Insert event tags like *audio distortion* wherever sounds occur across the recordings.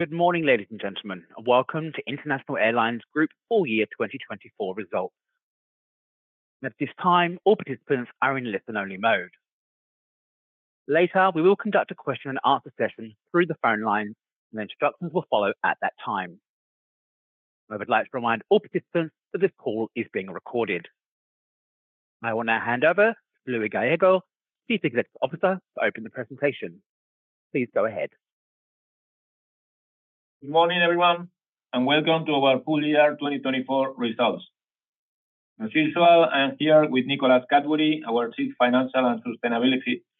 Good morning, ladies and gentlemen. Welcome to International Consolidated Airlines Group's full year 2024 results. At this time, all participants are in listen-only mode. Later, we will conduct a question-and-answer session through the phone line, and the instructions will follow at that time. I would like to remind all participants that this call is being recorded. I will now hand over to Luis Gallego, Chief Executive Officer, to open the presentation. Please go ahead. Good morning, everyone, and welcome to our full year 2024 results. As usual, I'm here with Nicholas Cadbury, our Chief Financial and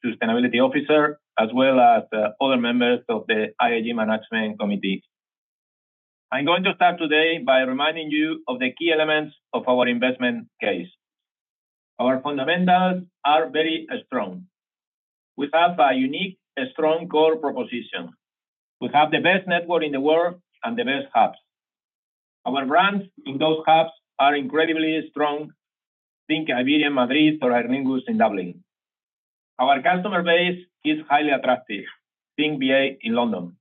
Sustainability Officer, as well as other members of the IAG Management Committee. I'm going to start today by reminding you of the key elements of our investment case. Our fundamentals are very strong. We have a unique, strong core proposition. We have the best network in the world and the best hubs. Our brands in those hubs are incredibly strong. Think Iberia in Madrid or Aer Lingus in Dublin. Our customer base is highly attractive. Think BA in London.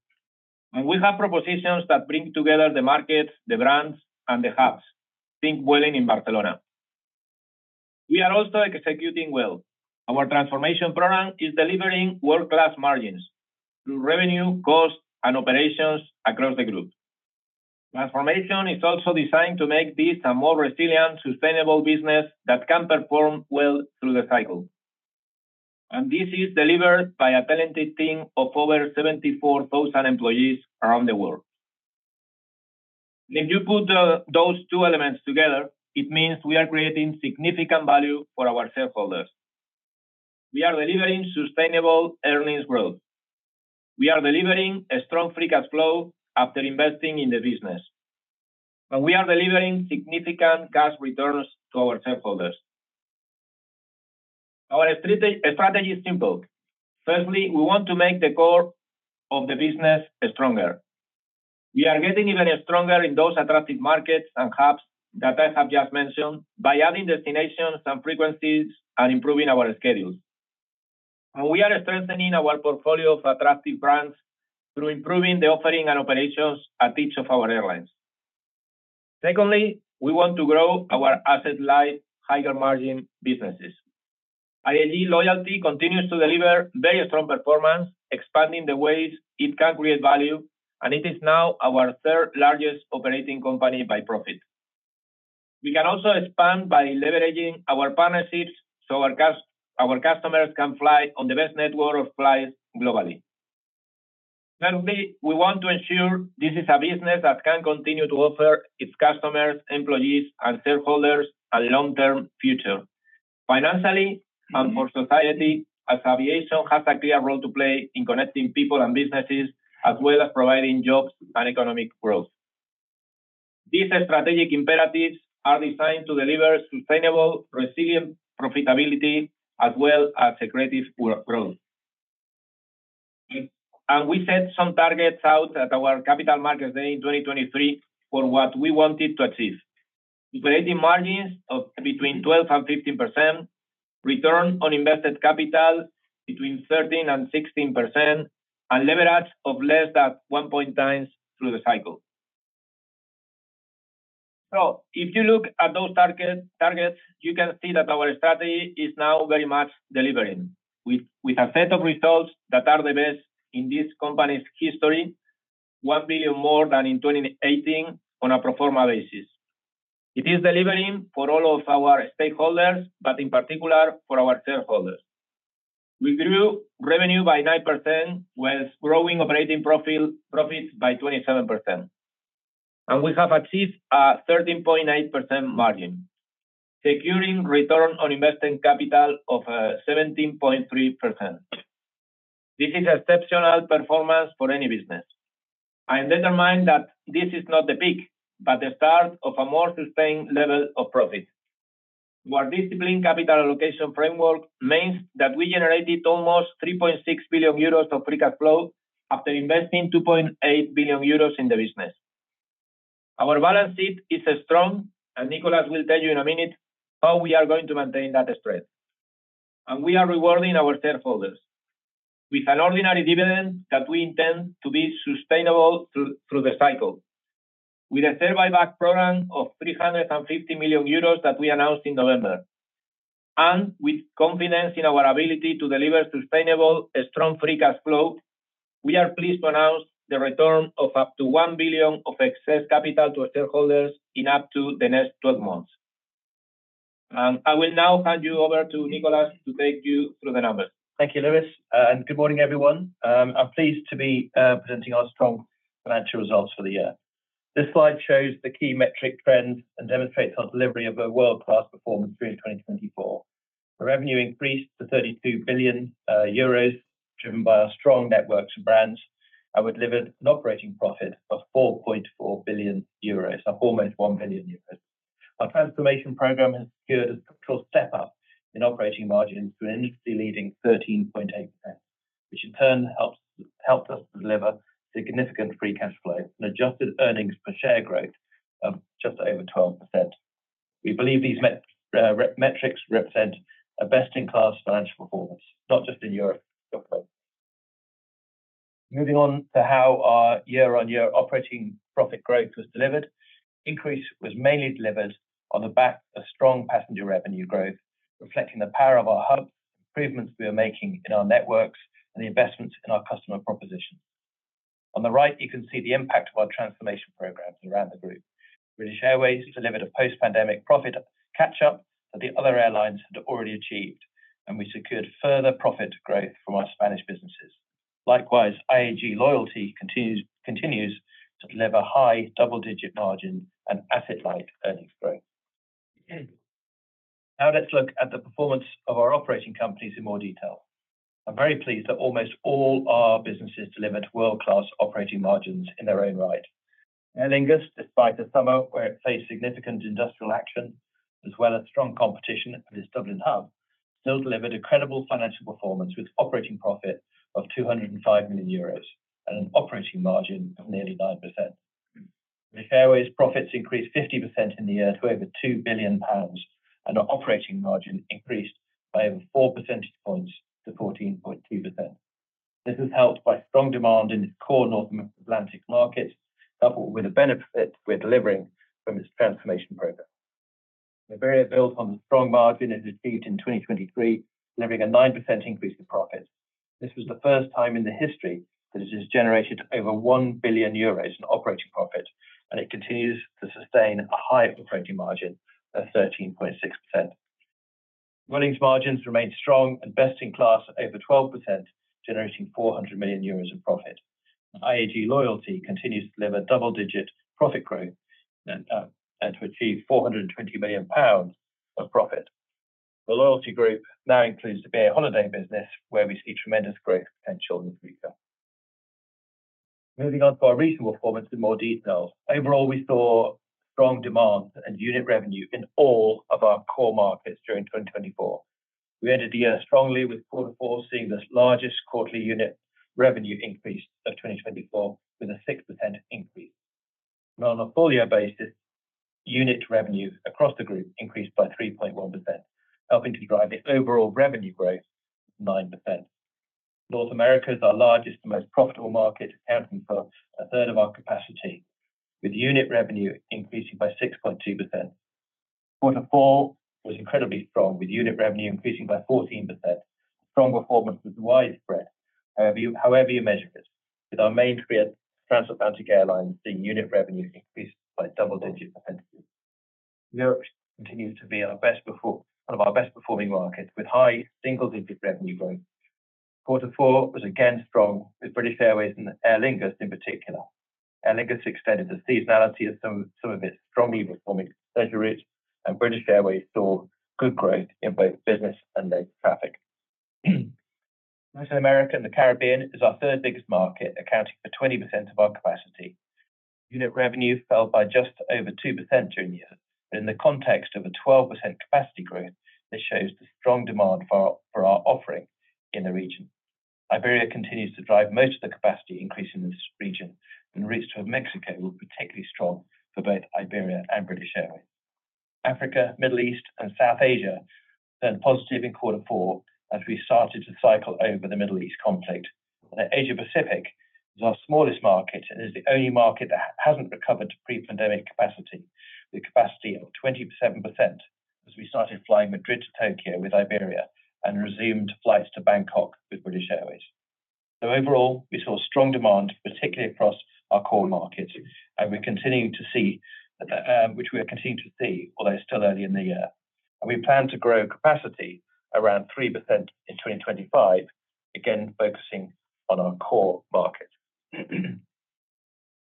And we have propositions that bring together the market, the brands, and the hubs. Think Vueling in Barcelona. We are also executing well. Our transformation program is delivering world-class margins through revenue, cost, and operations across the group. Transformation is also designed to make this a more resilient, sustainable business that can perform well through the cycle, and this is delivered by a talented team of over 74,000 employees around the world. If you put those two elements together, it means we are creating significant value for our shareholders. We are delivering sustainable earnings growth. We are delivering a strong free cash flow after investing in the business, and we are delivering significant cash returns to our shareholders. Our strategy is simple. Firstly, we want to make the core of the business stronger. We are getting even stronger in those attractive markets and hubs that I have just mentioned by adding destinations and frequencies and improving our schedules, and we are strengthening our portfolio of attractive brands through improving the offering and operations at each of our airlines. Secondly, we want to grow our asset-light, higher-margin businesses. IAG Loyalty continues to deliver very strong performance, expanding the ways it can create value, and it is now our third-largest operating company by profit. We can also expand by leveraging our partnerships so our customers can fly on the best network of flights globally. Thirdly, we want to ensure this is a business that can continue to offer its customers, employees, and shareholders a long-term future financially and for society, as aviation has a clear role to play in connecting people and businesses, as well as providing jobs and economic growth. These strategic imperatives are designed to deliver sustainable, resilient profitability, as well as creative growth. We set some targets out at our capital markets day in 2023 for what we wanted to achieve: operating margins of between 12% and 15%, return on invested capital between 13% and 16%, and leverage of less than [1 point] times through the cycle. If you look at those targets, you can see that our strategy is now very much delivering. We have seen results that are the best in this company's history, one billion more than in 2018 on a pro forma basis. It is delivering for all of our stakeholders, but in particular for our shareholders. We grew revenue by 9%, with growing operating profit by 27%. We have achieved a 13.8% margin, securing return on invested capital of 17.3%. This is exceptional performance for any business. I emphasize that this is not the peak, but the start of a more sustained level of profit. Our disciplined capital allocation framework means that we generated almost 3.6 billion euros of free cash flow after investing 2.8 billion euros in the business. Our balance sheet is strong, and Nicholas will tell you in a minute how we are going to maintain that strength. We are rewarding our shareholders with an ordinary dividend that we intend to be sustainable through the cycle, with a share buyback program of 350 million euros that we announced in November. With confidence in our ability to deliver sustainable, strong free cash flow, we are pleased to announce the return of up to 1 billion of excess capital to shareholders in up to the next 12 months. I will now hand you over to Nicholas to take you through the numbers. Thank you, Luis. Good morning, everyone. I'm pleased to be presenting our strong financial results for the year. This slide shows the key metric trends and demonstrates our delivery of a world-class performance through 2024. The revenue increased to 32 billion euros, driven by our strong networks and brands, and we delivered an operating profit of 4.4 billion euros, up almost 1 billion euros. Our transformation program has secured a structural step-up in operating margins to an industry-leading 13.8%, which in turn helped us deliver significant free cash flow and adjusted earnings per share growth of just over 12%. We believe these metrics represent a best-in-class financial performance, not just in Europe. Moving on to how our year-on-year operating profit growth was delivered, the increase was mainly delivered on the back of strong passenger revenue growth, reflecting the power of our hubs, improvements we are making in our networks, and the investments in our customer propositions. On the right, you can see the impact of our transformation programs around the group. British Airways delivered a post-pandemic profit catch-up that the other airlines had already achieved, and we secured further profit growth from our Spanish businesses. Likewise, IAG Loyalty continues to deliver high double-digit margin and asset-light earnings growth. Now let's look at the performance of our operating companies in more detail. I'm very pleased that almost all our businesses delivered world-class operating margins in their own right. Aer Lingus, despite a summer where it faced significant industrial action, as well as strong competition at its Dublin hub, still delivered a credible financial performance with operating profit of 205 million euros and an operating margin of nearly 9%. British Airways' profits increased 50% in the year to over 2 billion pounds, and our operating margin increased by over 4 percentage points to 14.2%. This is helped by strong demand in its core North Atlantic markets, coupled with the benefits we're delivering from its transformation program. Iberia built on the strong margin it achieved in 2023, delivering a 9% increase in profits. This was the first time in the history that it has generated over 1 billion euros in operating profit, and it continues to sustain a high operating margin of 13.6%. Vueling's margins remain strong and best-in-class at over 12%, generating 400 million euros of profit. IAG Loyalty continues to deliver double-digit profit growth and to achieve 420 million pounds of profit. The Loyalty Group now includes the BA Holidays business, where we see tremendous growth potential in the future. Moving on to our recent performance in more detail. Overall, we saw strong demand and unit revenue in all of our core markets during 2024. We ended the year strongly, with quarter four seeing the largest quarterly unit revenue increase of 2024, with a 6% increase, and on a full-year basis, unit revenue across the group increased by 3.1%, helping to drive the overall revenue growth of 9%. North America is our largest and most profitable market, accounting for a third of our capacity, with unit revenue increasing by 6.2%. Quarter four was incredibly strong, with unit revenue increasing by 14%. Strong performance was widespread, however you measure it, with our main transfer-bound airlines seeing unit revenue increase by double-digit percentages. Europe continues to be one of our best-performing markets, with high single-digit revenue growth. Quarter four was again strong, with British Airways and Aer Lingus in particular. Aer Lingus extended the seasonality of some of its strongly performing exposure routes, and British Airways saw good growth in both business and leg traffic. North America and the Caribbean is our third biggest market, accounting for 20% of our capacity. Unit revenue fell by just over 2% during the year, but in the context of a 12% capacity growth, this shows the strong demand for our offering in the region. Iberia continues to drive most of the capacity increase in this region, and routes to Mexico were particularly strong for both Iberia and British Airways. Africa, the Middle East, and South Asia turned positive in quarter four as we started to cycle over the Middle East conflict. Asia-Pacific is our smallest market and is the only market that hasn't recovered to pre-pandemic capacity, with capacity of 27% as we started flying Madrid to Tokyo with Iberia and resumed flights to Bangkok with British Airways, so overall, we saw strong demand, particularly across our core markets, and we're continuing to see that, which we are continuing to see, although still early in the year, and we plan to grow capacity around 3% in 2025, again focusing on our core markets.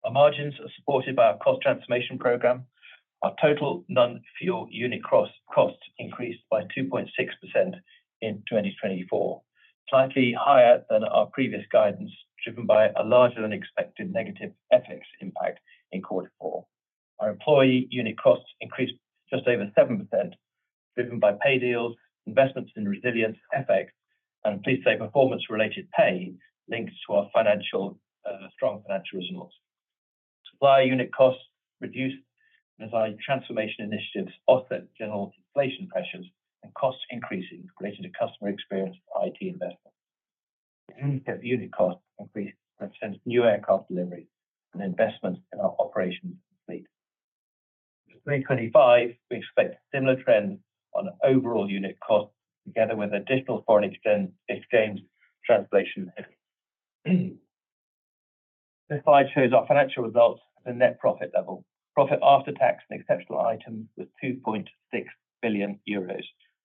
Our margins are supported by our cost transformation program. Our total non-fuel unit costs increased by 2.6% in 2024, slightly higher than our previous guidance, driven by a larger-than-expected negative FX impact in quarter four. Our employee unit costs increased just over 7%, driven by pay deals, investments in resilience FX, and performance-related pay links to our strong financial results. Supplier unit costs reduced as our transformation initiatives offset general inflation pressures and cost increases related to customer experience and IT investments. Unit costs increased to represent new aircraft deliveries and investments in our operations and fleet. For 2025, we expect similar trends on overall unit costs, together with additional foreign exchange translation efforts. This slide shows our financial results at the net profit level. Profit after tax and exceptional items was 2.6 billion euros.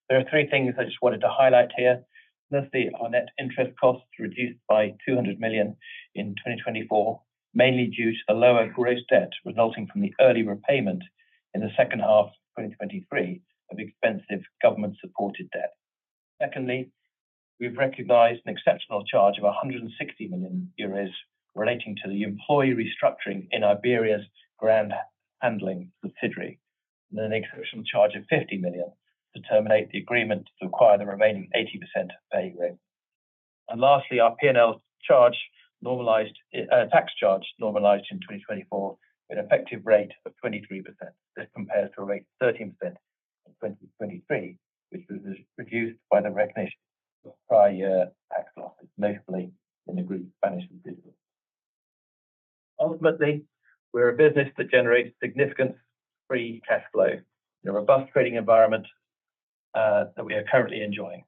There are three things I just wanted to highlight here. Firstly, our net interest costs reduced by 200 million in 2024, mainly due to the lower gross debt resulting from the early repayment in the second half of 2023 of expensive government-supported debt. Secondly, we've recognized an exceptional charge of 160 million euros relating to the employee restructuring in Iberia's ground handling subsidiary, and an exceptional charge of 50 million to terminate the agreement to acquire the remaining 80% stake. Lastly, our P&L tax charge normalized in 2024 at an effective rate of 23%. This compares to a rate of 13% in 2023, which was reduced by the recognition of prior year tax losses, notably in the group's management business. Ultimately, we're a business that generates significant free cash flow in a robust trading environment that we are currently enjoying.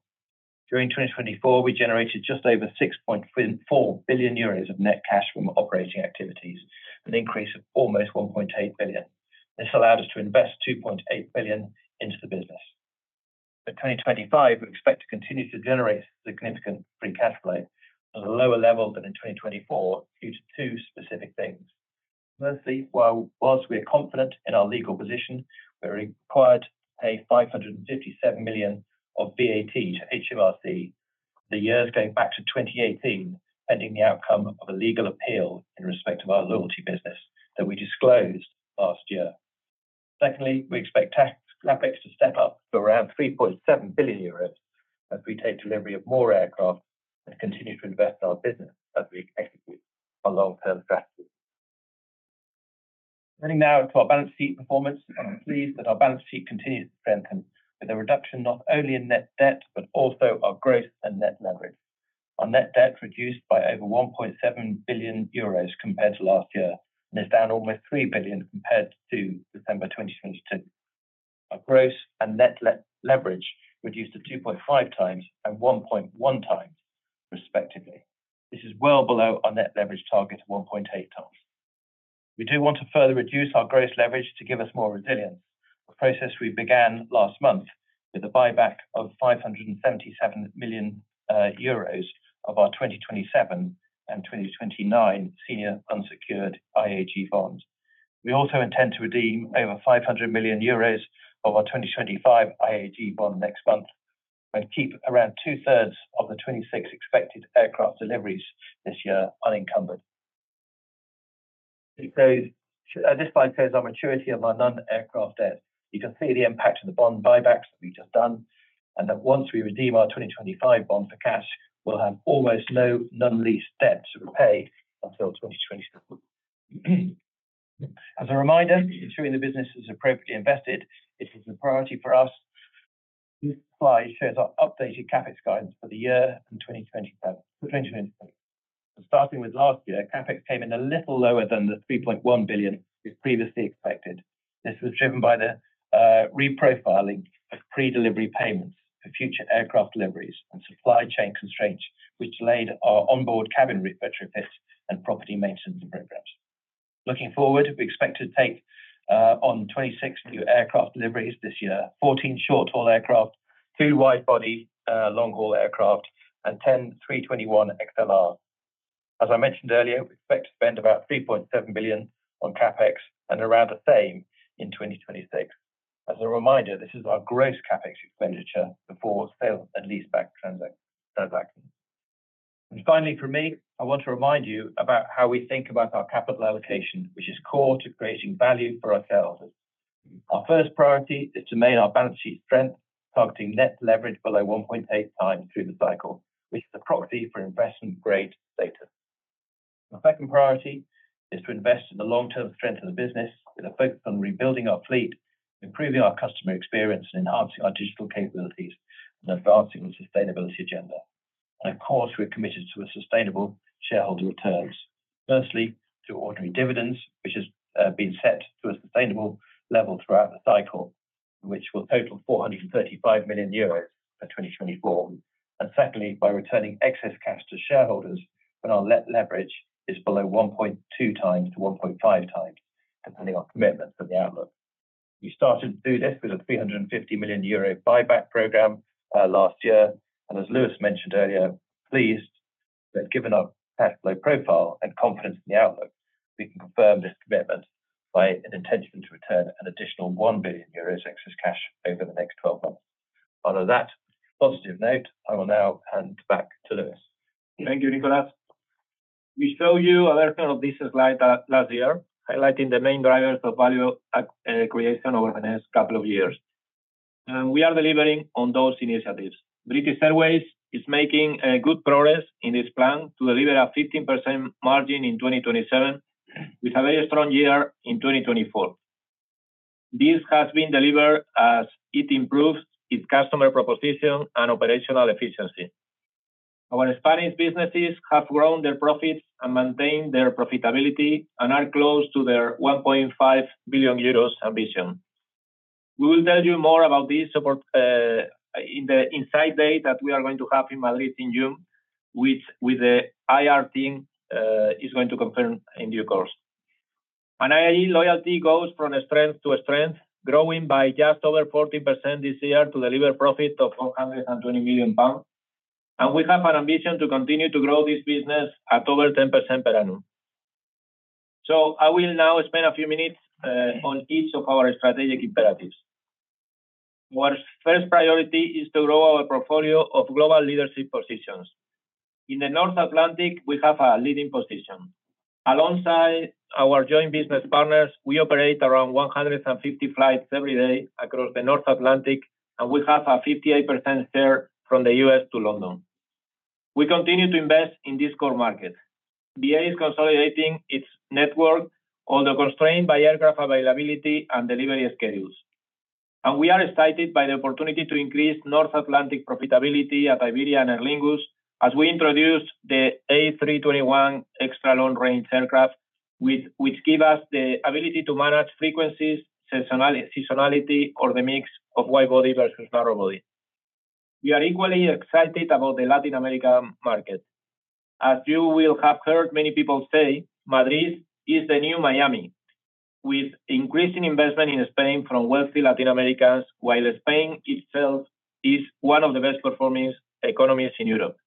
During 2024, we generated just over 6.4 billion euros of net cash from operating activities, an increase of almost 1.8 billion. This allowed us to invest 2.8 billion into the business. For 2025, we expect to continue to generate significant free cash flow at a lower level than in 2024 due to two specific things. Firstly, whilst we are confident in our legal position, we're required to pay 557 million of VAT to HMRC, the years going back to 2018, pending the outcome of a legal appeal in respect of our loyalty business that we disclosed last year. Secondly, we expect CapEx to step up to around 3.7 billion euros as we take delivery of more aircraft and continue to invest in our business as we execute our long-term strategy. Turning now to our balance sheet performance, I'm pleased that our balance sheet continues to strengthen, with a reduction not only in net debt but also our gross and net leverage. Our net debt reduced by over 1.7 billion euros compared to last year, and is down almost 3 billion compared to December 2022. Our gross and net leverage reduced to 2.5 times and 1.1 times, respectively. This is well below our net leverage target of 1.8 times. We do want to further reduce our gross leverage to give us more resilience, a process we began last month with a buyback of 577 million euros of our 2027 and 2029 senior unsecured IAG bonds. We also intend to redeem over 500 million euros of our 2025 IAG bond next month and keep around two-thirds of the 26 expected aircraft deliveries this year unencumbered. This slide shows our maturity of our non-aircraft debt. You can see the impact of the bond buybacks that we've just done, and that once we redeem our 2025 bond for cash, we'll have almost no non-lease debt to repay until 2027. As a reminder, ensuring the business is appropriately invested, it is a priority for us. This slide shows our updated CapEx guidance for the year and 2027. Starting with last year, CapEx came in a little lower than the 3.1 billion we previously expected. This was driven by the reprofiling of pre-delivery payments for future aircraft deliveries and supply chain constraints, which delayed our onboard cabin refurbishment and property maintenance programs. Looking forward, we expect to take on 26 new aircraft deliveries this year: 14 short-haul aircraft, two widebody long-haul aircraft, and 10 A321XLR. As I mentioned earlier, we expect to spend about 3.7 billion on CapEx and around the same in 2026. As a reminder, this is our gross CapEx expenditure before sale and lease-back transactions. And finally, for me, I want to remind you about how we think about our capital allocation, which is core to creating value for our sellers. Our first priority is to maintain our balance sheet strength, targeting net leverage below 1.8 times through the cycle, which is a proxy for investment-grade status. Our second priority is to invest in the long-term strength of the business with a focus on rebuilding our fleet, improving our customer experience, and enhancing our digital capabilities and advancing the sustainability agenda. And of course, we're committed to sustainable shareholder returns. Firstly, through ordinary dividends, which have been set to a sustainable level throughout the cycle, which will total 435 million euros by 2024. And secondly, by returning excess cash to shareholders when our net leverage is below 1.2 times to 1.5 times, depending on commitments and the outlook. We started to do this with a 350 million euro buyback program last year. And as Luis mentioned earlier, pleased that given our cash flow profile and confidence in the outlook, we can confirm this commitment by an intention to return an additional 1 billion euros in excess cash over the next 12 months. On that positive note, I will now hand back to Luis. Thank you, Nicholas. We showed you a version of this slide last year, highlighting the main drivers of value creation over the next couple of years. And we are delivering on those initiatives. British Airways is making good progress in this plan to deliver a 15% margin in 2027, with a very strong year in 2024. This has been delivered as it improves its customer proposition and operational efficiency. Our Spanish businesses have grown their profits and maintained their profitability and are close to their 1.5 billion euros ambition. We will tell you more about this in the insight day that we are going to have in Madrid in June, which the IR team is going to confirm in due course. And IAG Loyalty goes from strength to strength, growing by just over 14% this year to deliver profit of 420 million pounds. And we have an ambition to continue to grow this business at over 10% per annum. So I will now spend a few minutes on each of our strategic imperatives. Our first priority is to grow our portfolio of global leadership positions. In the North Atlantic, we have a leading position. Alongside our joint business partners, we operate around 150 flights every day across the North Atlantic, and we have a 58% share from the U.S. to London. We continue to invest in this core market. BA is consolidating its network, although constrained by aircraft availability and delivery schedules, and we are excited by the opportunity to increase North Atlantic profitability at Iberia and Aer Lingus as we introduce the A321 extra long-range aircraft, which gives us the ability to manage frequencies, seasonality, or the mix of widebody versus narrowbody. We are equally excited about the Latin American market. As you will have heard many people say, Madrid is the new Miami, with increasing investment in Spain from wealthy Latin Americans, while Spain itself is one of the best-performing economies in Europe.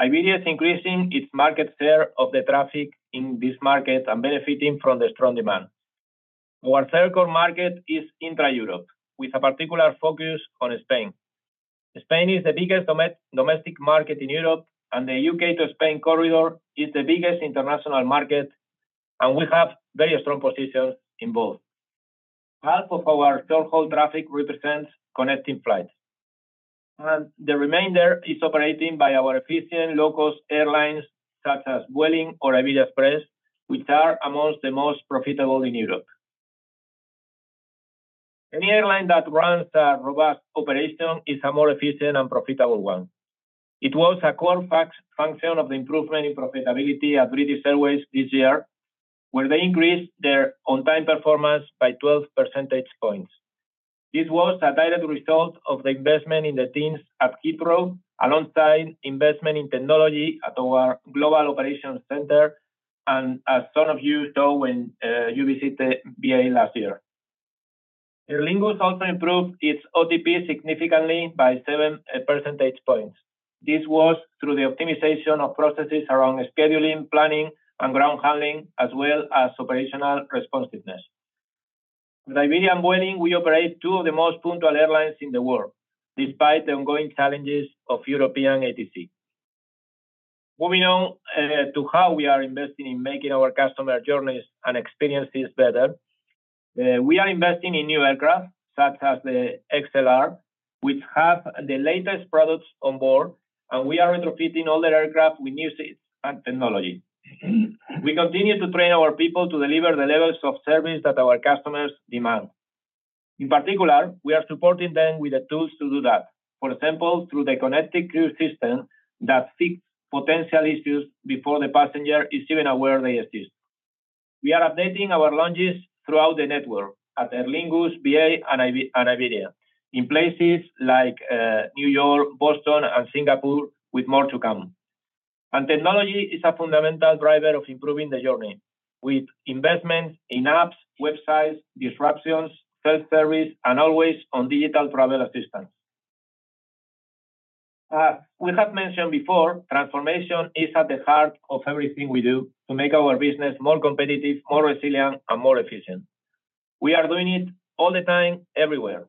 Iberia is increasing its market share of the traffic in this market and benefiting from the strong demand. Our third core market is intra-Europe, with a particular focus on Spain. Spain is the biggest domestic market in Europe, and the U.K. to Spain corridor is the biggest international market, and we have very strong positions in both. Half of our short-haul traffic represents connecting flights, and the remainder is operated by our efficient low-cost airlines such as Vueling or Iberia Express, which are among the most profitable in Europe. Any airline that runs a robust operation is a more efficient and profitable one. It was a core function of the improvement in profitability at British Airways this year, where they increased their on-time performance by 12 percentage points. This was a direct result of the investment in the teams at Heathrow, alongside investment in technology at our Global Operations Center, and as some of you saw when you visited BA last year. Aer Lingus also improved its OTP significantly by seven percentage points. This was through the optimization of processes around scheduling, planning, and ground handling, as well as operational responsiveness. At Iberia and Vueling, we operate two of the most punctual airlines in the world, despite the ongoing challenges of European ATC. Moving on to how we are investing in making our customer journeys and experiences better, we are investing in new aircraft such as the XLR, which have the latest products on board, and we are retrofitting all the aircraft with new seats and technology. We continue to train our people to deliver the levels of service that our customers demand. In particular, we are supporting them with the tools to do that, for example, through the Connected Crew system that fixes potential issues before the passenger is even aware they exist. We are updating our lounges throughout the network at Aer Lingus, BA, and Iberia, in places like New York, Boston, and Singapore, with more to come, and technology is a fundamental driver of improving the journey, with investments in apps, websites, disruptions, self-service, and always on digital travel assistance. As we have mentioned before, transformation is at the heart of everything we do to make our business more competitive, more resilient, and more efficient. We are doing it all the time, everywhere.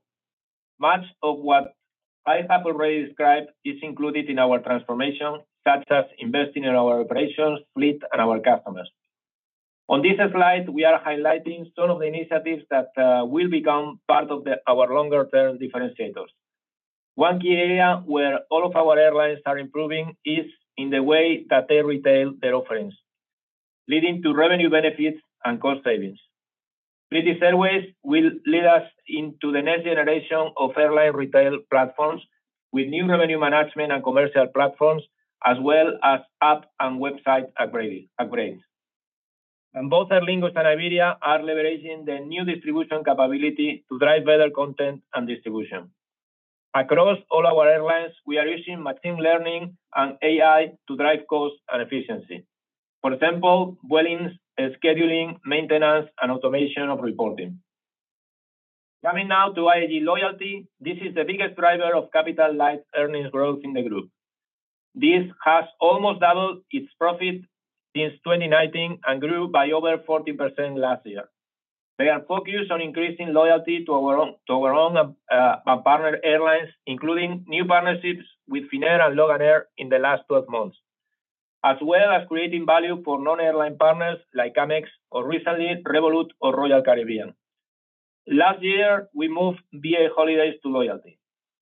Much of what I have already described is included in our transformation, such as investing in our operations, fleet, and our customers. On this slide, we are highlighting some of the initiatives that will become part of our longer-term differentiators. One key area where all of our airlines are improving is in the way that they retail their offerings, leading to revenue benefits and cost savings. British Airways will lead us into the next generation of airline retail platforms with new revenue management and commercial platforms, as well as app and website upgrades, and both Aer Lingus and Iberia are leveraging the new distribution capability to drive better content and distribution. Across all our airlines, we are using machine learning and AI to drive cost and efficiency. For example, Vueling's scheduling, maintenance, and automation of reporting. Coming now to IAG Loyalty, this is the biggest driver of capital-like earnings growth in the group. This has almost doubled its profit since 2019 and grew by over 14% last year. They are focused on increasing loyalty to our own partner airlines, including new partnerships with Finnair and Loganair in the last 12 months, as well as creating value for non-airline partners like Amex, or recently, Revolut or Royal Caribbean. Last year, we moved BA Holidays to loyalty.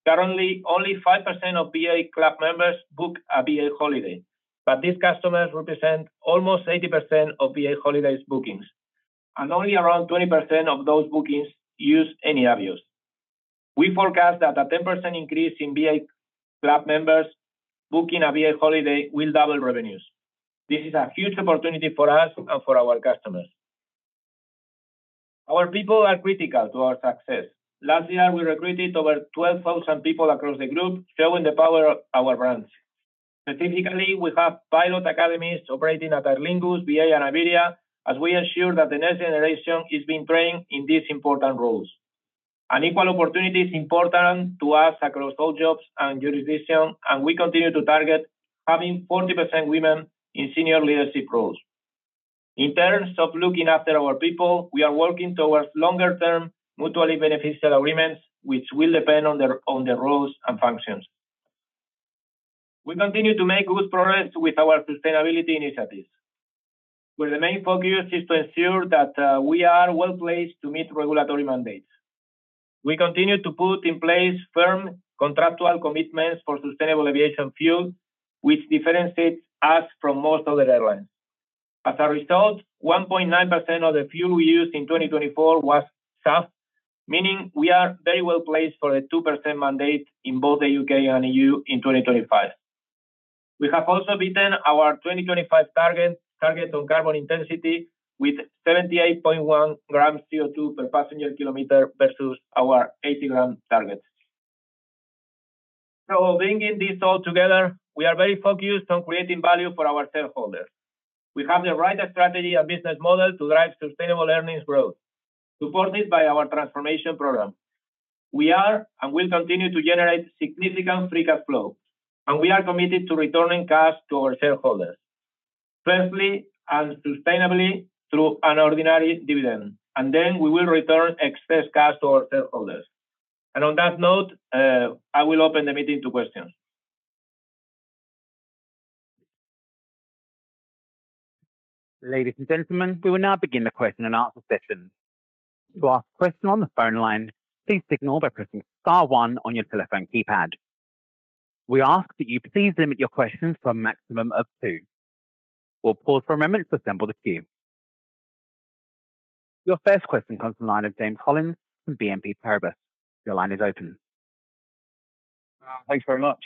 Currently, only 5% of BA Club members book a BA holiday, but these customers represent almost 80% of BA Holidays bookings, and only around 20% of those bookings use any Avios. We forecast that a 10% increase in BA Club members booking a BA holiday will double revenues. This is a huge opportunity for us and for our customers. Our people are critical to our success. Last year, we recruited over 12,000 people across the group, showing the power of our brands. Specifically, we have pilot academies operating at Aer Lingus, BA, and Iberia, as we ensure that the next generation is being trained in these important roles. Equal opportunity is important to us across all jobs and jurisdictions, and we continue to target having 40% women in senior leadership roles. In terms of looking after our people, we are working towards longer-term mutually beneficial agreements, which will depend on their roles and functions. We continue to make good progress with our sustainability initiatives, where the main focus is to ensure that we are well placed to meet regulatory mandates. We continue to put in place firm contractual commitments for sustainable aviation fuel, which differentiates us from most other airlines. As a result, 1.9% of the fuel we used in 2024 was SAF, meaning we are very well placed for the 2% mandate in both the U.K. and EU in 2025. We have also beaten our 2025 target on carbon intensity with 78.1 g CO2 per passenger kilometer versus our 80 g target, so bringing this all together, we are very focused on creating value for our shareholders. We have the right strategy and business model to drive sustainable earnings growth, supported by our transformation program. We are and will continue to generate significant free cash flow, and we are committed to returning cash to our shareholders fairly and sustainably through an ordinary dividend, and then we will return excess cash to our shareholders, and on that note, I will open the meeting to questions. Ladies and gentlemen, we will now begin the question and answer session. To ask a question on the phone line, please signal by pressing star one on your telephone keypad. We ask that you please limit your questions to a maximum of two. We'll pause for a moment to assemble the queue. Your first question comes from the line of James Hollins from BNP Paribas. Your line is open. Thanks very much.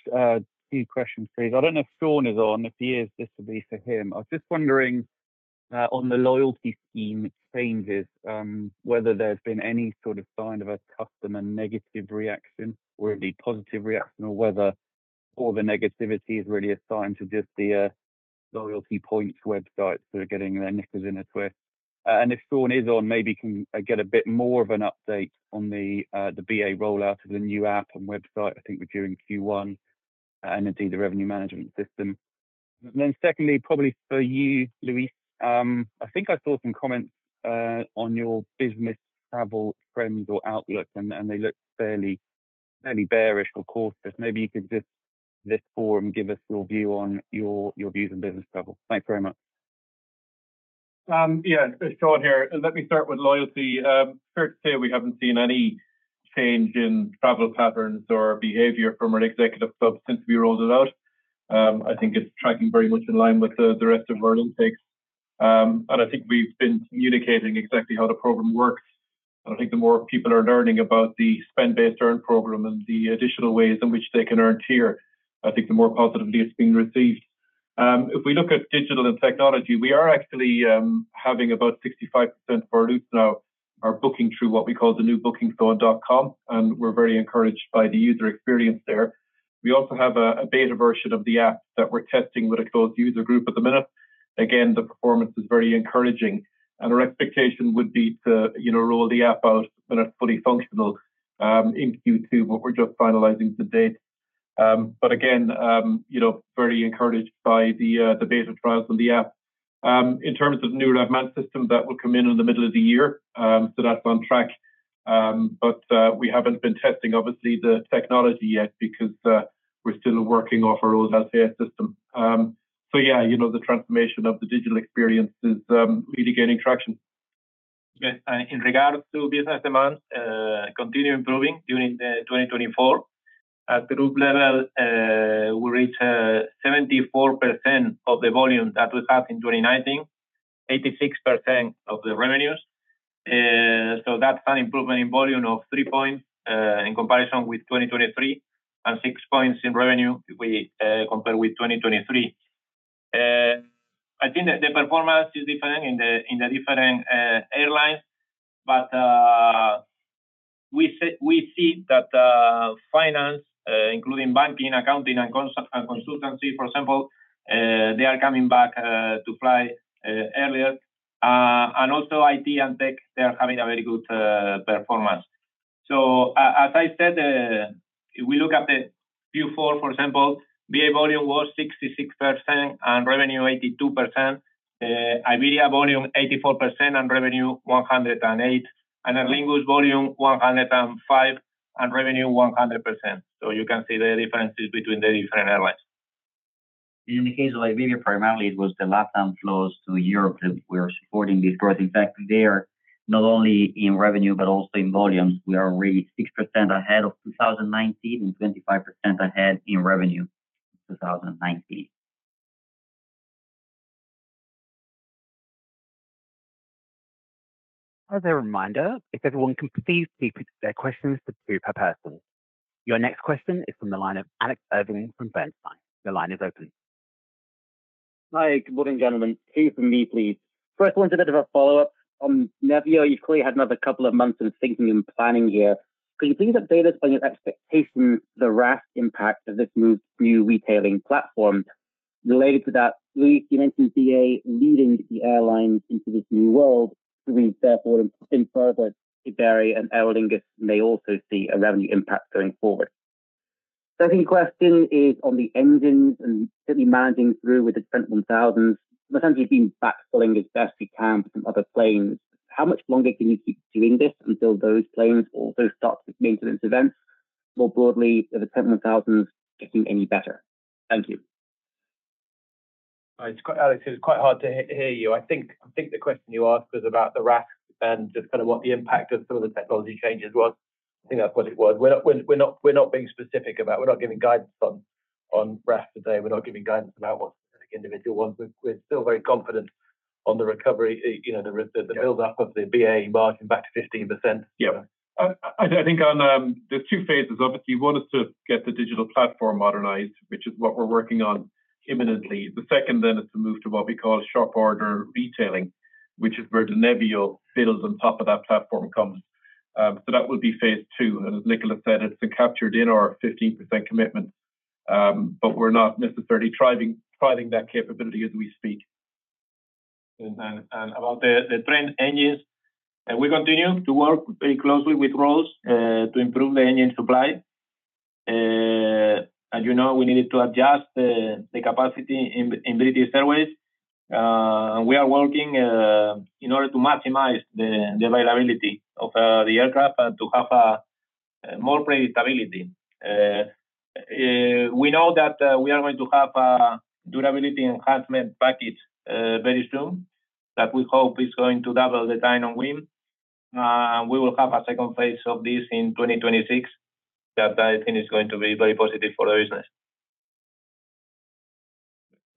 Two questions, please. I don't know if Sean is on. If he is, this would be for him. I was just wondering on the loyalty scheme changes, whether there's been any sort of sign of a customer negative reaction or any positive reaction, or whether all the negativity is really assigned to just the loyalty points websites that are getting their knickers in a twist. And if Sean is on, maybe can get a bit more of an update on the BA rollout of the new app and website, I think we're doing Q1, and indeed the revenue management system. And then secondly, probably for you, Luis, I think I saw some comments on your business travel trends or outlook, and they look fairly bearish or cautious. Maybe you could just, this forum, give us your view on your views on business travel. Thanks very much. Yeah, Sean here. Let me start with loyalty. Fair to say we haven't seen any change in travel patterns or behavior from our Executive Club since we rolled it out. I think it's tracking very much in line with the rest of our intakes. I think we've been communicating exactly how the program works. I think the more people are learning about the spend-based earn program and the additional ways in which they can earn tier, I think the more positively it's being received. If we look at digital and technology, we are actually having about 65% of our loops now are booking through what we call the new bookingstore.com, and we're very encouraged by the user experience there. We also have a beta version of the app that we're testing with a closed user group at the minute. Again, the performance is very encouraging, and our expectation would be to roll the app out when it's fully functional in Q2, but we're just finalizing the date. But again, very encouraged by the beta trials on the app. In terms of the new rev man system, that will come in in the middle of the year, so that's on track. But we haven't been testing, obviously, the technology yet because we're still working off our old Altéa system. So yeah, the transformation of the digital experience is really gaining traction. In regards to business demand, continue improving during 2024. At the group level, we reached 74% of the volume that we had in 2019, 86% of the revenues. So that's an improvement in volume of three points in comparison with 2023 and six points in revenue if we compare with 2023. I think the performance is different in the different airlines, but we see that finance, including banking, accounting, and consultancy, for example, they are coming back to fly earlier. And also IT and tech, they are having a very good performance. So as I said, if we look at the Q4, for example, BA volume was 66% and revenue 82%. Iberia volume 84% and revenue 108%, and Aer Lingus volume 105% and revenue 100%. So you can see the differences between the different airlines. In the case of Iberia, primarily it was the LatAm flows to Europe that were supporting this growth. In fact, there, not only in revenue but also in volumes, we are already 6% ahead of 2019 and 25% ahead in revenue in 2019. As a reminder, if everyone completes their questions, two per person. Your next question is from the line of Alex Irving from Bernstein. The line is open. Hi, good morning, gentlemen. Two from me, please. First one's a bit of a follow-up. On Nevio, you've clearly had another couple of months of thinking and planning here. Could you please update us on your expectations, the RASK impact of this new retailing platform? Related to that, Luis, you mentioned BA leading the airlines into this new world, which leads therefore in further to Iberia and Aer Lingus may also see a revenue impact going forward. Second question is on the engines and certainly managing through with the Trent 1000s, essentially being backfilling as best we can from other planes. How much longer can you keep doing this until those planes also start to make those events? More broadly, are the Trent 1000s getting any better? Thank you. It's quite hard to hear you. I think the question you asked was about the RASK and just kind of what the impact of some of the technology changes was. I think that's what it was. We're not being specific about it. We're not giving guidance on RASK today. We're not giving guidance about what specific individual ones. We're still very confident on the recovery, the build-up of the BA margin back to 15%. Yeah. I think there's two phases. Obviously, one is to get the digital platform modernized, which is what we're working on imminently. The second then is to move to what we call shop order retailing, which is where the Nevio builds on top of that platform comes. So that would be phase two, and as Nichola said, it's been captured in our 15% commitment, but we're not necessarily trialing that capability as we speak. About the Trent engines, we continue to work very closely with Rolls to improve the engine supply. As you know, we needed to adjust the capacity in British Airways. We are working in order to maximize the availability of the aircraft and to have more predictability. We know that we are going to have a durability enhancement package very soon that we hope is going to double the time on wing. We will have a second phase of this in 2026 that I think is going to be very positive for the business.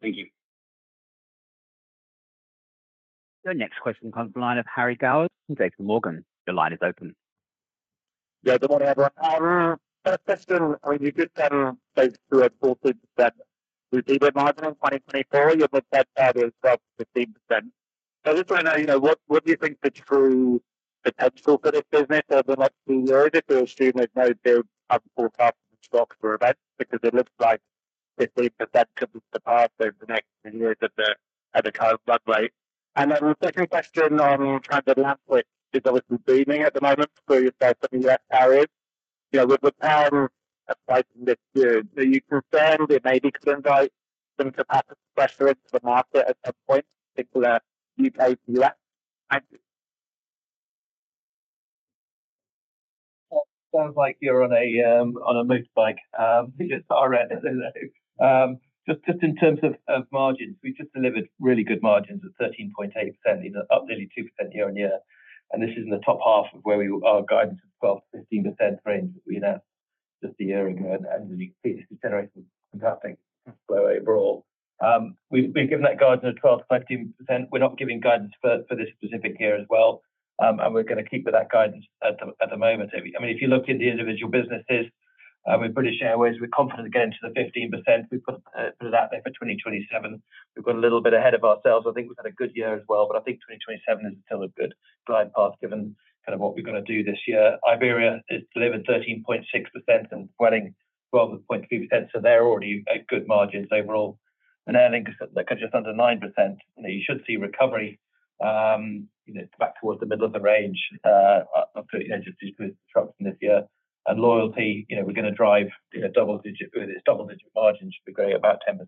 Thank you. Your next question comes from the line of Harry Gowers from JPMorgan. Your line is open. Yeah, good morning, everyone. First question, I mean, you did say through a forecast that we see that margin in 2024, you've looked at there's roughly 15%. So I just want to know, what do you think the true potential for this business over the next few years? If you assume there's no big ups or downs in shocks or events, because it looks like 15% could be surpassed over the next few years at the current run rate. And then the second question on transatlantic is obviously booming at the moment, so you've got some U.S. carriers with plans to launch a flight this year. So are you concerned it may be creating some capacity pressure into the market at some point, particularly U.K. to U.S.? Thank you. Sounds like you're on a motorbike. It's our end, I know. Just in terms of margins, we just delivered really good margins at 13.8%, up nearly 2% year on year. This is in the top half of where we are guided to 12%-15% range that we announced just a year ago. You can see this is generating some fantastic flow overall. We've given that guidance of 12%-15%. We're not giving guidance for this specific year as well. We're going to keep with that guidance at the moment. I mean, if you look at the individual businesses, with British Airways, we're confident to get into the 15%. We put it out there for 2027. We've got a little bit ahead of ourselves. I think we've had a good year as well, but I think 2027 is still a good glide path given kind of what we're going to do this year. Iberia is delivering 13.6% and Vueling 12.3%, so they're already at good margins overall. Aer Lingus, look at just under 9%. You should see recovery back towards the middle of the range after just a few shocks in this year. And loyalty, we're going to drive double-digit margins should be great, about 10%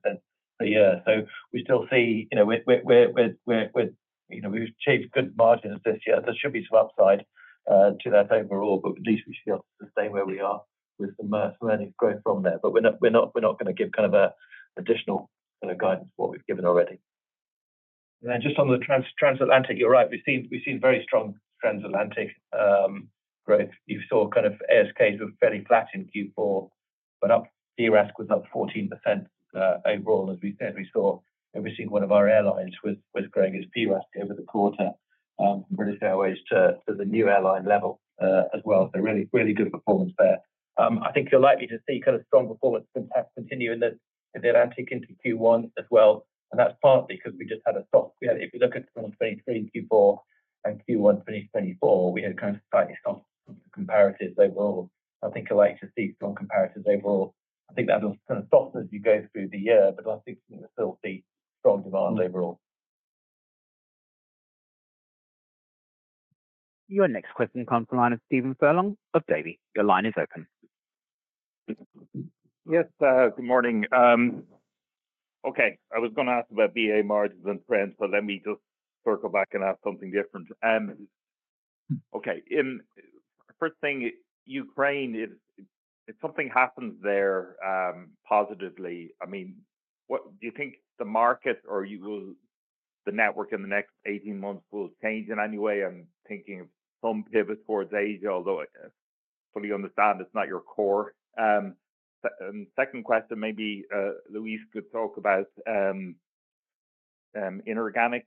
per year. So we still see we've achieved good margins this year. There should be some upside to that overall, but at least we should be able to sustain where we are with some earnings growth from there. But we're not going to give kind of additional kind of guidance for what we've given already. And then just on the transatlantic, you're right. We've seen very strong transatlantic growth. You saw kind of ASKs were fairly flat in Q4, but PRASK was up 14% overall. As we said, we saw every single one of our airlines was growing its PRASK over the quarter from British Airways to the new airline LEVEL as well. So really, really good performance there. I think you're likely to see kind of strong performance continuing into Q1 as well. And that's partly because we just had a soft, if you look at 2023 in Q4 and Q1 2024, we had kind of slightly soft comparatives overall. I think you're likely to see strong comparatives overall. I think that'll kind of soften as you go through the year, but I think we'll still see strong demand overall. Your next question comes from the line of Stephen Furlong of Davy. Your line is open. Yes, good morning. Okay, I was going to ask about BA margins and trends, but then we just circle back and ask something different. Okay, first thing, Ukraine, if something happens there positively, I mean, do you think the market or the network in the next 18 months will change in any way? I'm thinking of some pivot towards Asia, although I fully understand it's not your core. And second question, maybe Luis could talk about inorganic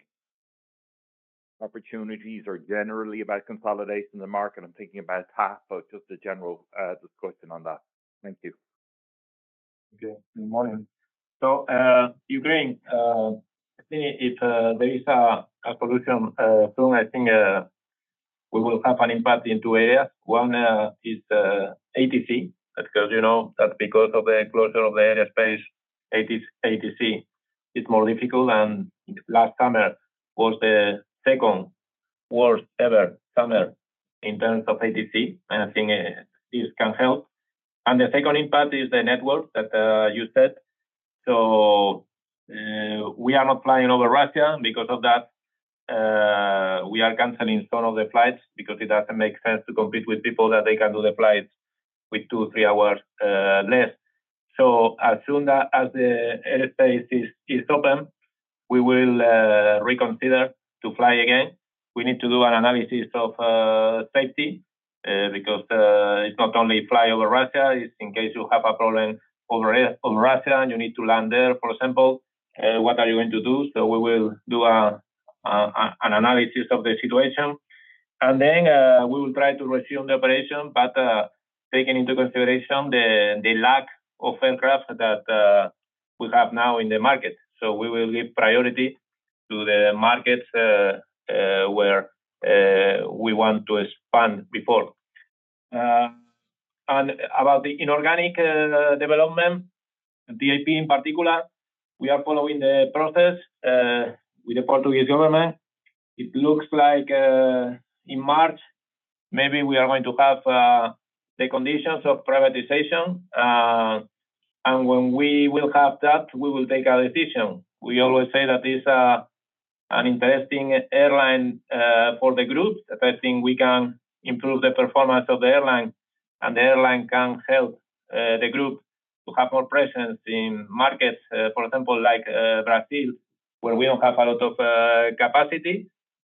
opportunities or generally about consolidation of the market. I'm thinking about TAP, but just a general discussion on that. Thank you. Okay, good morning. So Ukraine, I think if there is a solution soon, I think we will have an impact in two areas. One is ATC. As you know, that's because of the closure of the airspace, ATC is more difficult. And last summer was the second worst ever summer in terms of ATC, and I think this can help. And the second impact is the network that you said. So we are not flying over Russia because of that. We are canceling some of the flights because it doesn't make sense to compete with people that they can do the flights with two, three hours less, so as soon as the airspace is open, we will reconsider to fly again. We need to do an analysis of safety because it's not only fly over Russia. It's in case you have a problem over Russia, you need to land there, for example. What are you going to do? So we will do an analysis of the situation, and then we will try to resume the operation, but taking into consideration the lack of aircraft that we have now in the market, so we will give priority to the markets where we want to expand before. And about the inorganic development, TAP in particular, we are following the process with the Portuguese government. It looks like in March, maybe we are going to have the conditions of privatization, and when we will have that, we will take a decision. We always say that it's an interesting airline for the group, that I think we can improve the performance of the airline, and the airline can help the group to have more presence in markets, for example, like Brazil, where we don't have a lot of capacity,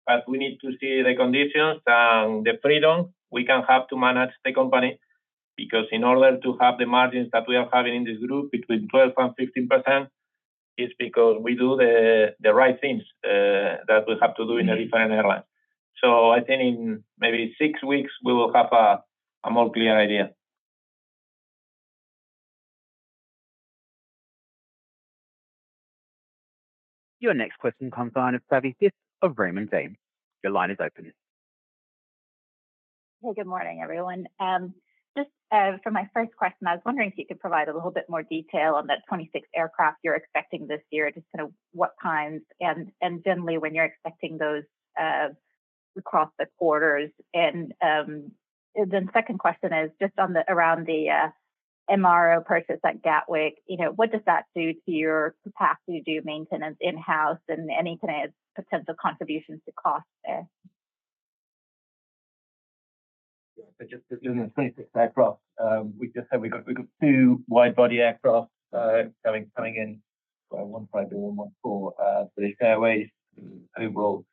but we need to see the conditions and the freedom we can have to manage the company because in order to have the margins that we are having in this group between 12%-15% is because we do the right things that we have to do in a different airline, so I think in maybe six weeks, we will have a more clear idea. Your next question comes from Savi Syth of Raymond James. Your line is open. Hey, good morning, everyone. Just for my first question, I was wondering if you could provide a little bit more detail on that 26 aircraft you're expecting this year, just kind of what types and generally when you're expecting those across the quarters. And then second question is just around the MRO purchase at Gatwick. What does that do to your capacity to do maintenance in-house and any kind of potential contributions to cost there? Just to zoom in on the 26 aircraft, we just said we've got two widebody aircraft coming in, one for Iberia and one for British Airways overall.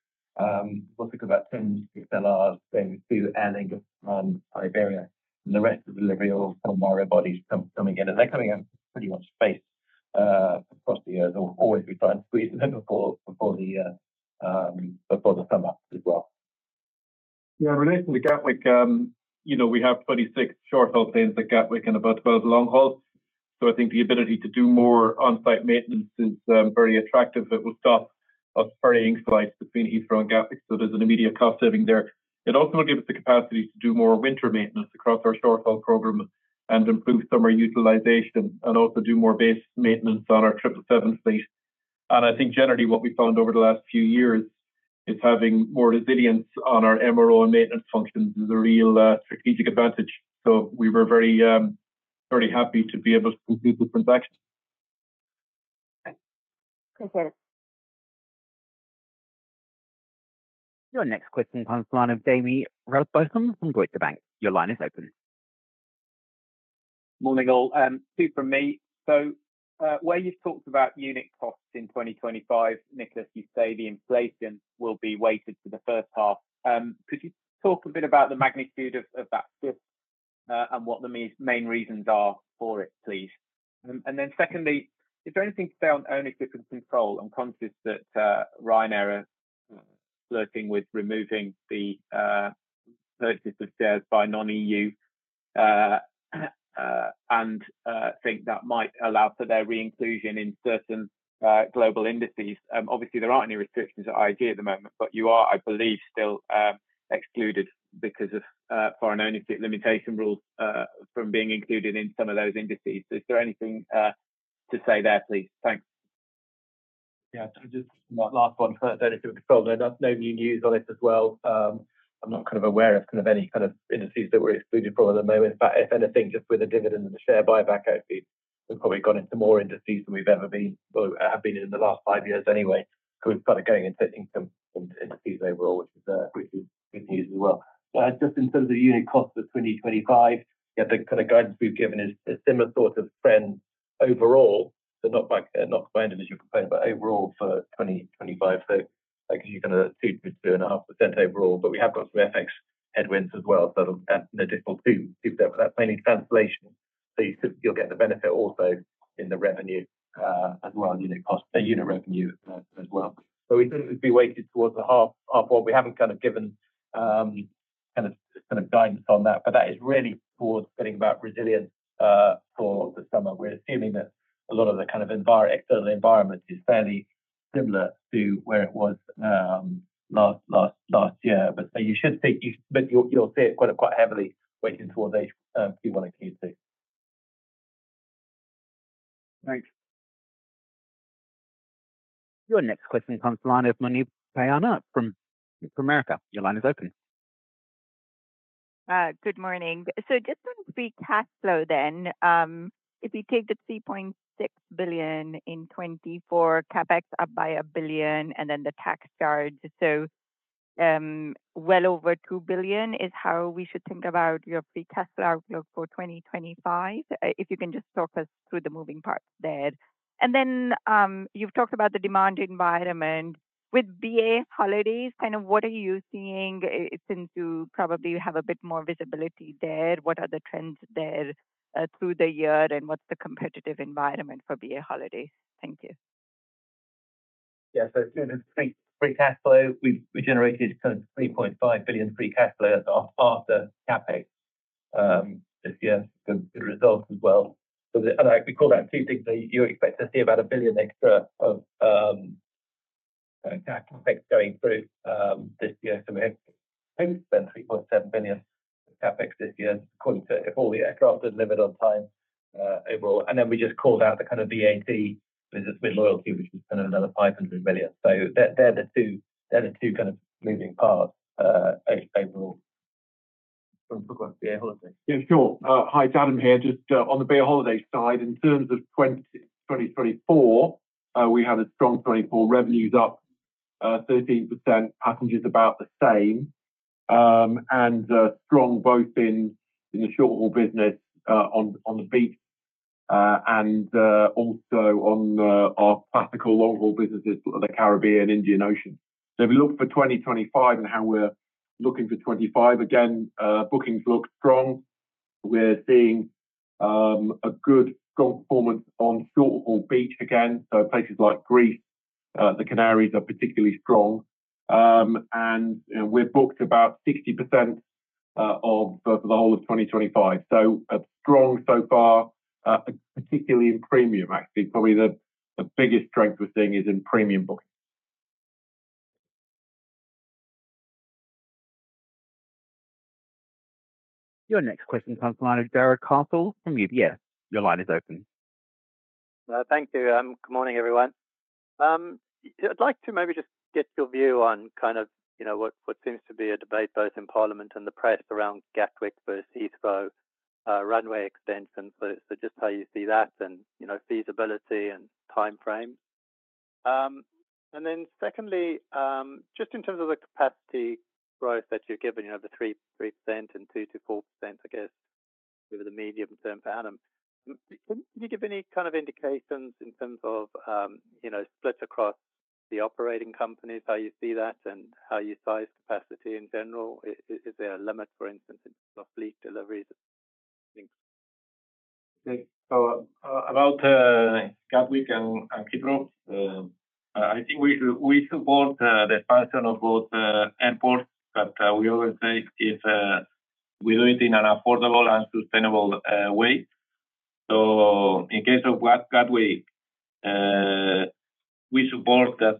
We'll take about 10 A320s, then two for Aer Lingus and Iberia. And the rest for Iberia will come narrowbodies coming in. And they're coming in pretty much spaced across the year. We'll always be trying to squeeze them before the summer as well. Yeah, relating to Gatwick, we have 26 short-haul planes at Gatwick and about 12 long-hauls. So I think the ability to do more on-site maintenance is very attractive. It will stop us ferrying flights between Heathrow and Gatwick. So there's an immediate cost saving there. It also will give us the capacity to do more winter maintenance across our short-haul program and improve summer utilization and also do more base maintenance on our 777 fleet. And I think generally what we found over the last few years is having more resilience on our MRO and maintenance functions is a real strategic advantage. So we were very happy to be able to complete the transaction. Appreciate it. Your next question comes from Jaime Rowbotham from Deutsche Bank. Your line is open. Morning, all. Two from me. So where you've talked about unit costs in 2025, Nicholas, you say the inflation will be weighted to the first half. Could you talk a bit about the magnitude of that shift and what the main reasons are for it, please? And then secondly, is there anything to say on ownership and control, conscious that Ryanair are flirting with removing the purchase of shares by non-EU and think that might allow for their re-inclusion in certain global indices? Obviously, there aren't any restrictions at IAG at the moment, but you are, I believe, still excluded because of foreign ownership limitation rules from being included in some of those indices. Is there anything to say there, please? Thanks. Yeah, just last one, if you're controlled. There's no new news on it as well. I'm not aware of any indices that we're excluded from at the moment. But if anything, just with the dividend and the share buyback, we've probably gone into more indices than we've ever been in the last five years anyway. So we've got it going into income and indices overall, which is good news as well. Just in terms of unit costs for 2025, the guidance we've given is a similar sort of trend overall. So not expanded as you're complaining, but overall for 2025. So that gives you 2%-2.5% overall, but we have got some FX headwinds as well. So that's an additional 2%, but that's mainly translation. So you'll get the benefit also in the revenue as well, unit cost, unit revenue as well. We think it would be weighted towards the half of what we haven't kind of given kind of guidance on that, but that is really towards getting about resilience for the summer. We're assuming that a lot of the kind of external environment is fairly similar to where it was last year. But you should think you'll see it quite heavily weighted towards Q1 and Q2. Thanks. Your next question comes to the line of Muneeba Kayani from Bank of America. Your line is open. Good morning. So just on free cash flow then, if you take the 3.6 billion in 2024, CapEx up by a 1 billion, and then the tax charge, so well over 2 billion is how we should think about your free cash flow outlook for 2025, if you can just talk us through the moving parts there. And then you've talked about the demand environment with BA Holidays. Kind of what are you seeing since you probably have a bit more visibility there? What are the trends there through the year, and what's the competitive environment for BA Holidays? Thank you. Yeah, so free cash flow, we generated kind of 3.5 billion free cash flow after CapEx this year. Good results as well. We call that two things. You expect to see about 1 billion extra of CapEx going through this year. So we've spent 3.7 billion CapEx this year, according to if all the aircraft had delivered on time overall. And then we just called out the kind of VAT business with loyalty, which was kind of another 500 million. So they're the two kind of moving parts overall. From BA Holidays. Yeah, sure. Hi, Adam here. Just on the BA Holidays side, in terms of 2024, we had a strong 2024 revenues up 13%, passengers about the same, and strong both in the short-haul business on the beach and also on our classical long-haul businesses of the Caribbean and Indian Ocean. If you look for 2025 and how we're looking for 2025, again, bookings look strong. We're seeing a good strong performance on short-haul beach again. Places like Greece, the Canaries are particularly strong. We're booked about 60% for the whole of 2025. Strong so far, particularly in premium, actually. Probably the biggest strength we're seeing is in premium bookings. Your next question comes to the line of Jarrod Castle from UBS. Your line is open. Thank you. Good morning, everyone. I'd like to maybe just get your view on kind of what seems to be a debate both in Parliament and the press around Gatwick versus Heathrow runway extensions. So just how you see that and feasibility and timeframes. And then secondly, just in terms of the capacity growth that you've given, the 3% and 2%-4%, I guess, over the medium term for Adam. Can you give any kind of indications in terms of split across the operating companies, how you see that, and how you size capacity in general? Is there a limit, for instance, in fleet deliveries? About Gatwick and Heathrow, I think we support the expansion of both airports, but we always say we do it in an affordable and sustainable way. So in case of Gatwick, we support that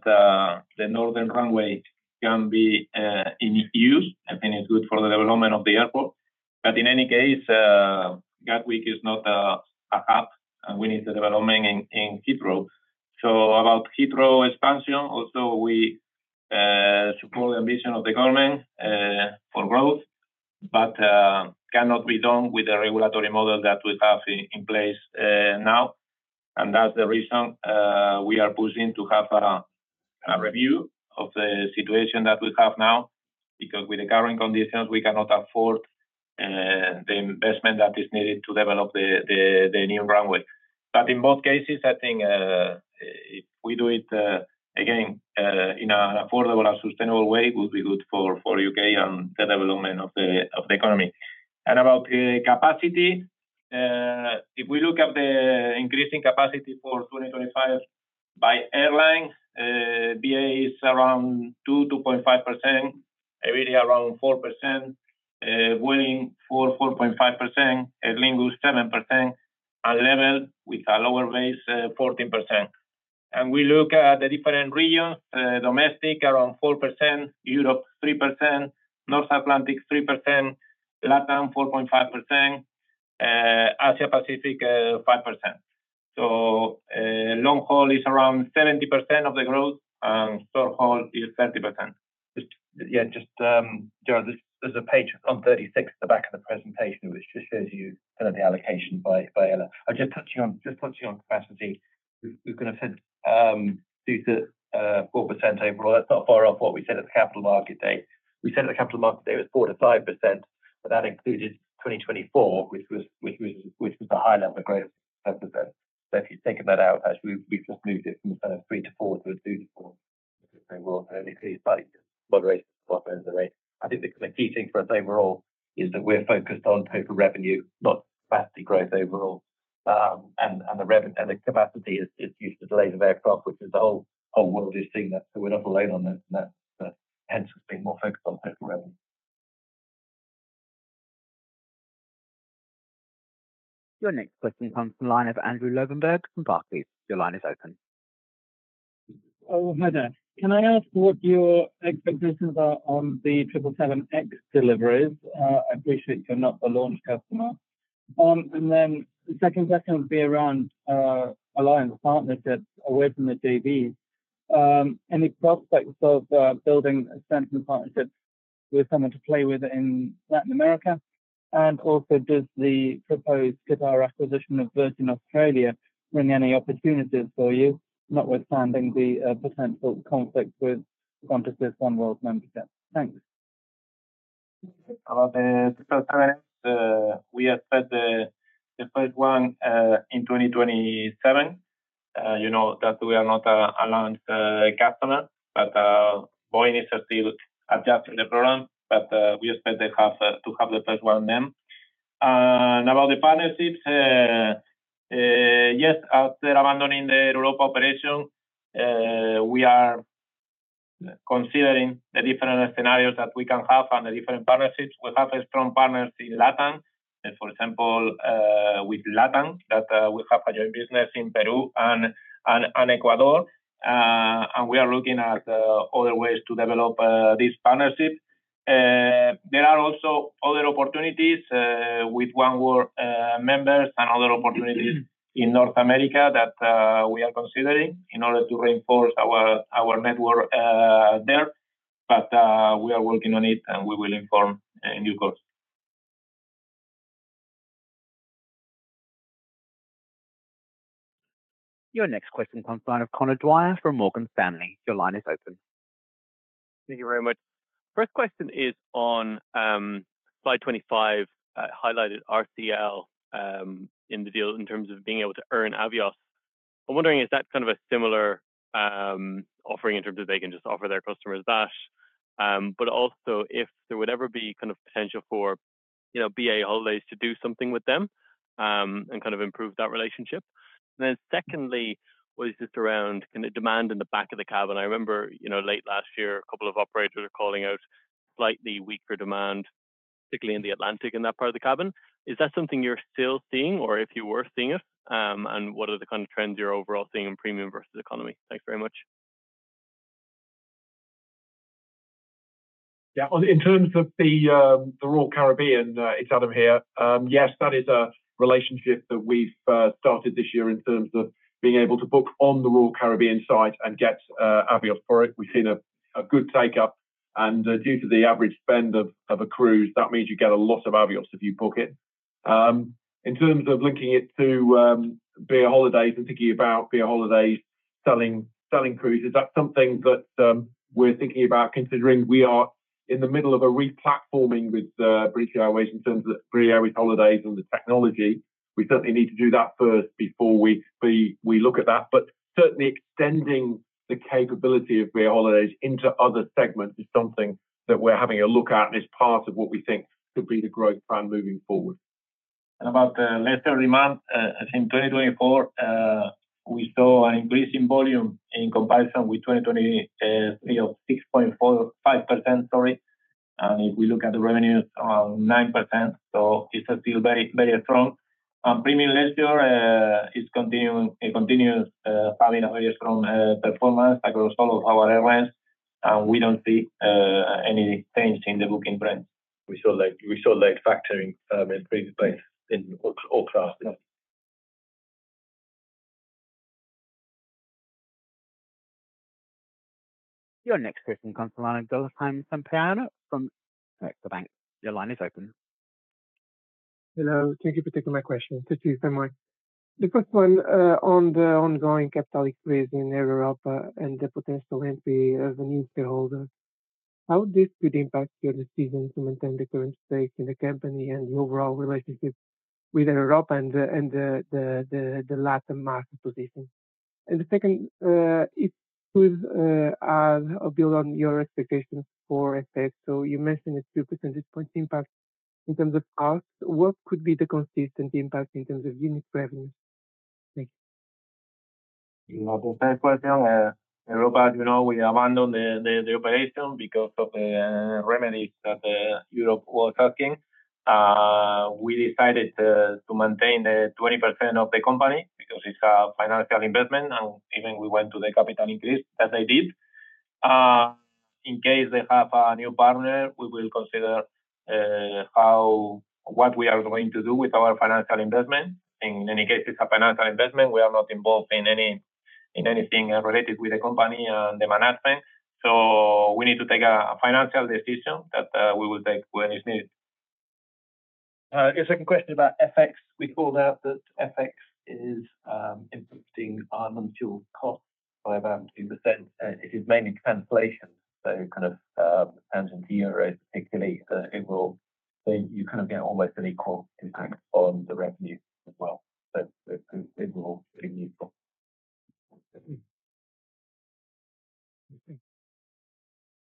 the northern runway can be in use. I think it's good for the development of the airport. But in any case, Gatwick is not a hub, and we need the development in Heathrow. So about Heathrow expansion, also we support the ambition of the government for growth, but cannot be done with the regulatory model that we have in place now. And that's the reason we are pushing to have a review of the situation that we have now, because with the current conditions, we cannot afford the investment that is needed to develop the new runway. But in both cases, I think if we do it again in an affordable and sustainable way, it would be good for the U.K. and the development of the economy. About capacity, if we look at the increasing capacity for 2025 by airline, BA is around 2%-2.5%, Iberia around 4%, Vueling 4%-4.5%, Aer Lingus 7%, and LEVEL with a lower base, 14%. We look at the different regions, domestic around 4%, Europe 3%, North Atlantic 3%, Latin 4.5%, Asia-Pacific 5%. So long-haul is around 70% of the growth, and short-haul is 30%. Yeah, just there's a page on 36 at the back of the presentation, which just shows you kind of the allocation by IAG. I'm just touching on capacity. We've kind of said 2%-4% overall. That's not far off what we said at the capital markets day. We said at the capital markets day it was 4%-5%, but that included 2024, which was the high level of growth. So if you're taking that out, we've just moved it from kind of 3 to 4 to 2 to 4. It's been brought in increased by moderated spot earn rates. I think the key thing for us overall is that we're focused on total revenue, not capacity growth overall. And the capacity is due to delays of aircraft, which is the whole world is seeing that. So we're not alone on that. And that's hence we're being more focused on total revenue. Your next question comes from the line of Andrew Lobbenberg from Barclays. Your line is open. *audio distortion* Can I ask what your expectations are on the 777X deliveries? I appreciate you're not the launch customer. And then the second question would be around alliance partnerships away from the JVs. Any prospects of building a central partnership with someone to play with in Latin America? Also, does the proposed Qatar acquisition of Virgin Australia bring any opportunities for you, notwithstanding the potential conflict with Qantas' oneworld membership? Thanks. About the first 777X, we expect the first one in 2027. You know that we are not a lone customer, but Boeing is still adjusting the program. We expect to have the first one then. About the partnerships, yes, after abandoning the Air Europa operation, we are considering the different scenarios that we can have and the different partnerships. We have strong partners in LatAm, for example, with LatAm, that we have a joint business in Peru and Ecuador. We are looking at other ways to develop this partnership. There are also other opportunities with oneworld members and other opportunities in North America that we are considering in order to reinforce our network there. But we are working on it, and we will inform in due course. Your next question comes from Conor Dwyer from Morgan Stanley. Your line is open. Thank you very much. First question is on Slide 25 highlighted RCL in the deal in terms of being able to earn Avios. I'm wondering, is that kind of a similar offering in terms of they can just offer their customers that? But also, if there would ever be kind of potential for BA Holidays to do something with them and kind of improve that relationship. And then secondly, was this around kind of demand in the back of the cabin? I remember late last year, a couple of operators were calling out slightly weaker demand, particularly in the Atlantic in that part of the cabin. Is that something you're still seeing, or if you were seeing it? What are the kind of trends you're overall seeing in premium versus economy? Thanks very much. Yeah, in terms of the Royal Caribbean, it's Adam here. Yes, that is a relationship that we've started this year in terms of being able to book on the Royal Caribbean site and get Avios for it. We've seen a good take-up. And due to the average spend of a cruise, that means you get a lot of Avios if you book it. In terms of linking it to BA Holidays and thinking about BA Holidays selling cruises, that's something that we're thinking about considering. We are in the middle of a re-platforming with British Airways in terms of British Airways Holidays and the technology. We certainly need to do that first before we look at that. But certainly, extending the capability of BA Holidays into other segments is something that we're having a look at as part of what we think could be the growth plan moving forward. And about the leisure demand, I think 2024, we saw an increase in volume in comparison with 2023 of 6.5%, sorry. And if we look at the revenues, around 9%. So it's still very strong. Premium leisure is continuing to have a very strong performance across all of our airlines. And we don't see any change in the booking trends. We saw late bookings in all classes. Your next question comes to the line of Guilherme Sampaio from CaixaBank. Your line is open. Hello. Thank you for taking my question. Good to see you all. The first one on the ongoing capital allocation in Air Europa and the potential entry of a new shareholder. How would this impact your decision to maintain the current stake in the company and the overall relationship with Air Europa and the Latin market position? And the second is to build on your expectations for effect. So you mentioned a few percentage points impact in terms of cost. What could be the consistent impact in terms of unit revenues? Thank you. That's a fair question. Air Europa, as you know, we abandoned the operation because of the remedies that Europe was asking. We decided to maintain the 20% of the company because it's a financial investment, and even we went to the capital increase that they did. In case they have a new partner, we will consider what we are going to do with our financial investment. In any case, it's a financial investment. We are not involved in anything related with the company and the management. So we need to take a financial decision that we will take when it's needed. Your second question about FX, we called out that FX is impacting our non-fuel costs by about 2%. It is mainly translation. So kind of tangent to Euro, particularly, it will kind of get almost an equal impact on the revenue as well. So it will be neutral.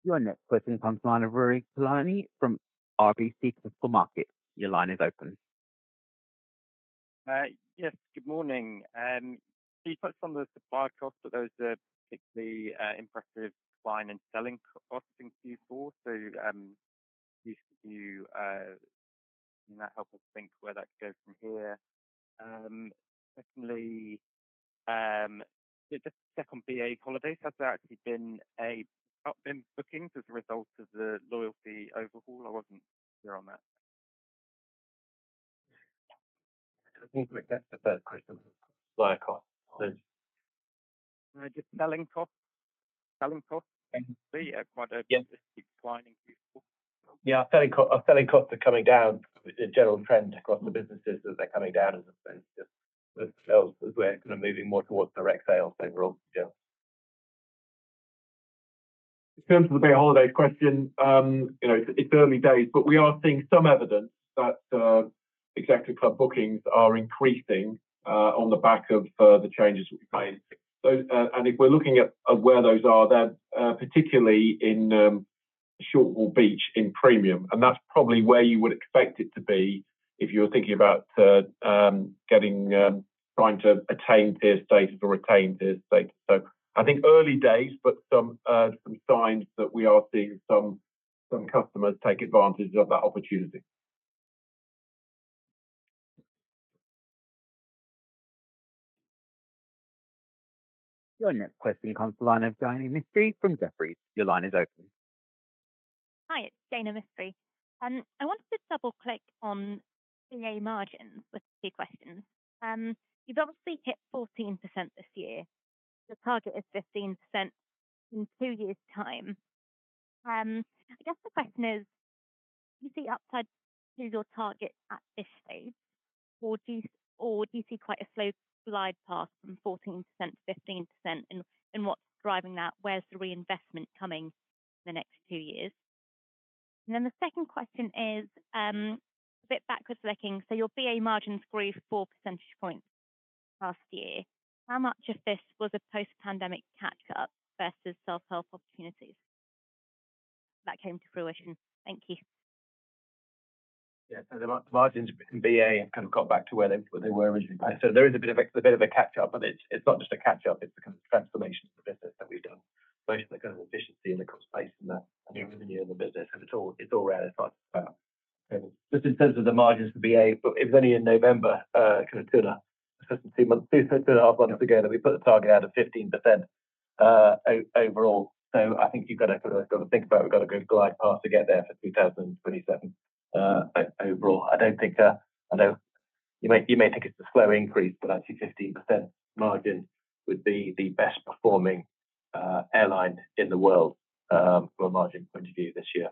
Your next question comes to the line of Ruairi Cullinane from RBC Capital Markets. Your line is open. Yes, good morning. So you touched on the supply cost, but there was a particularly impressive line in selling costs in Q4. So can you help us think where that goes from here? Secondly, just to check on BA Holidays, has there actually been an up in bookings as a result of the loyalty overhaul? I wasn't clear on that. That's the third question. Just selling costs? Selling costs? Yeah, quite a declining Q4. Yeah, selling costs are coming down. The general trend across the businesses is they're coming down as well as we're kind of moving more towards direct sales overall. In terms of the BA Holidays question, it's early days, but we are seeing some evidence that Executive Club bookings are increasing on the back of the changes we've made. And if we're looking at where those are, they're particularly in short-haul beach in premium. And that's probably where you would expect it to be if you're thinking about trying to attain tier status or retain tier status. So I think early days, but some signs that we are seeing some customers take advantage of that opportunity. Your next question comes to the line of Jaina Mistry from Jefferies. Your line is open. Hi, it's Jaina Mistry. I wanted to double-click on BA margins with two questions. You've obviously hit 14% this year. Your target is 15% in two years' time. I guess the question is, do you see upside to your target at this stage? Or do you see quite a slow glide path from 14% to 15%? And what's driving that? Where's the reinvestment coming in the next two years? And then the second question is a bit backward-looking. So your BA margins grew four percentage points last year. How much of this was a post-pandemic catch-up versus self-help opportunities that came to fruition? Thank you. Yeah, so the margins in BA have kind of got back to where they were originally. So there is a bit of a catch-up, but it's not just a catch-up. It's a kind of transformation of the business that we've done, both the kind of efficiency and the kind of space in the business. It's all realized by just in terms of the margins for BA. It was only in November, kind of two and a half months ago, that we put the target out of 15% overall. I think you've got to think about it. We've got to go glide path to get there for 2027 overall. I don't think you may think it's a slow increase, but actually 15% margin would be the best-performing airline in the world from a margin point of view this year.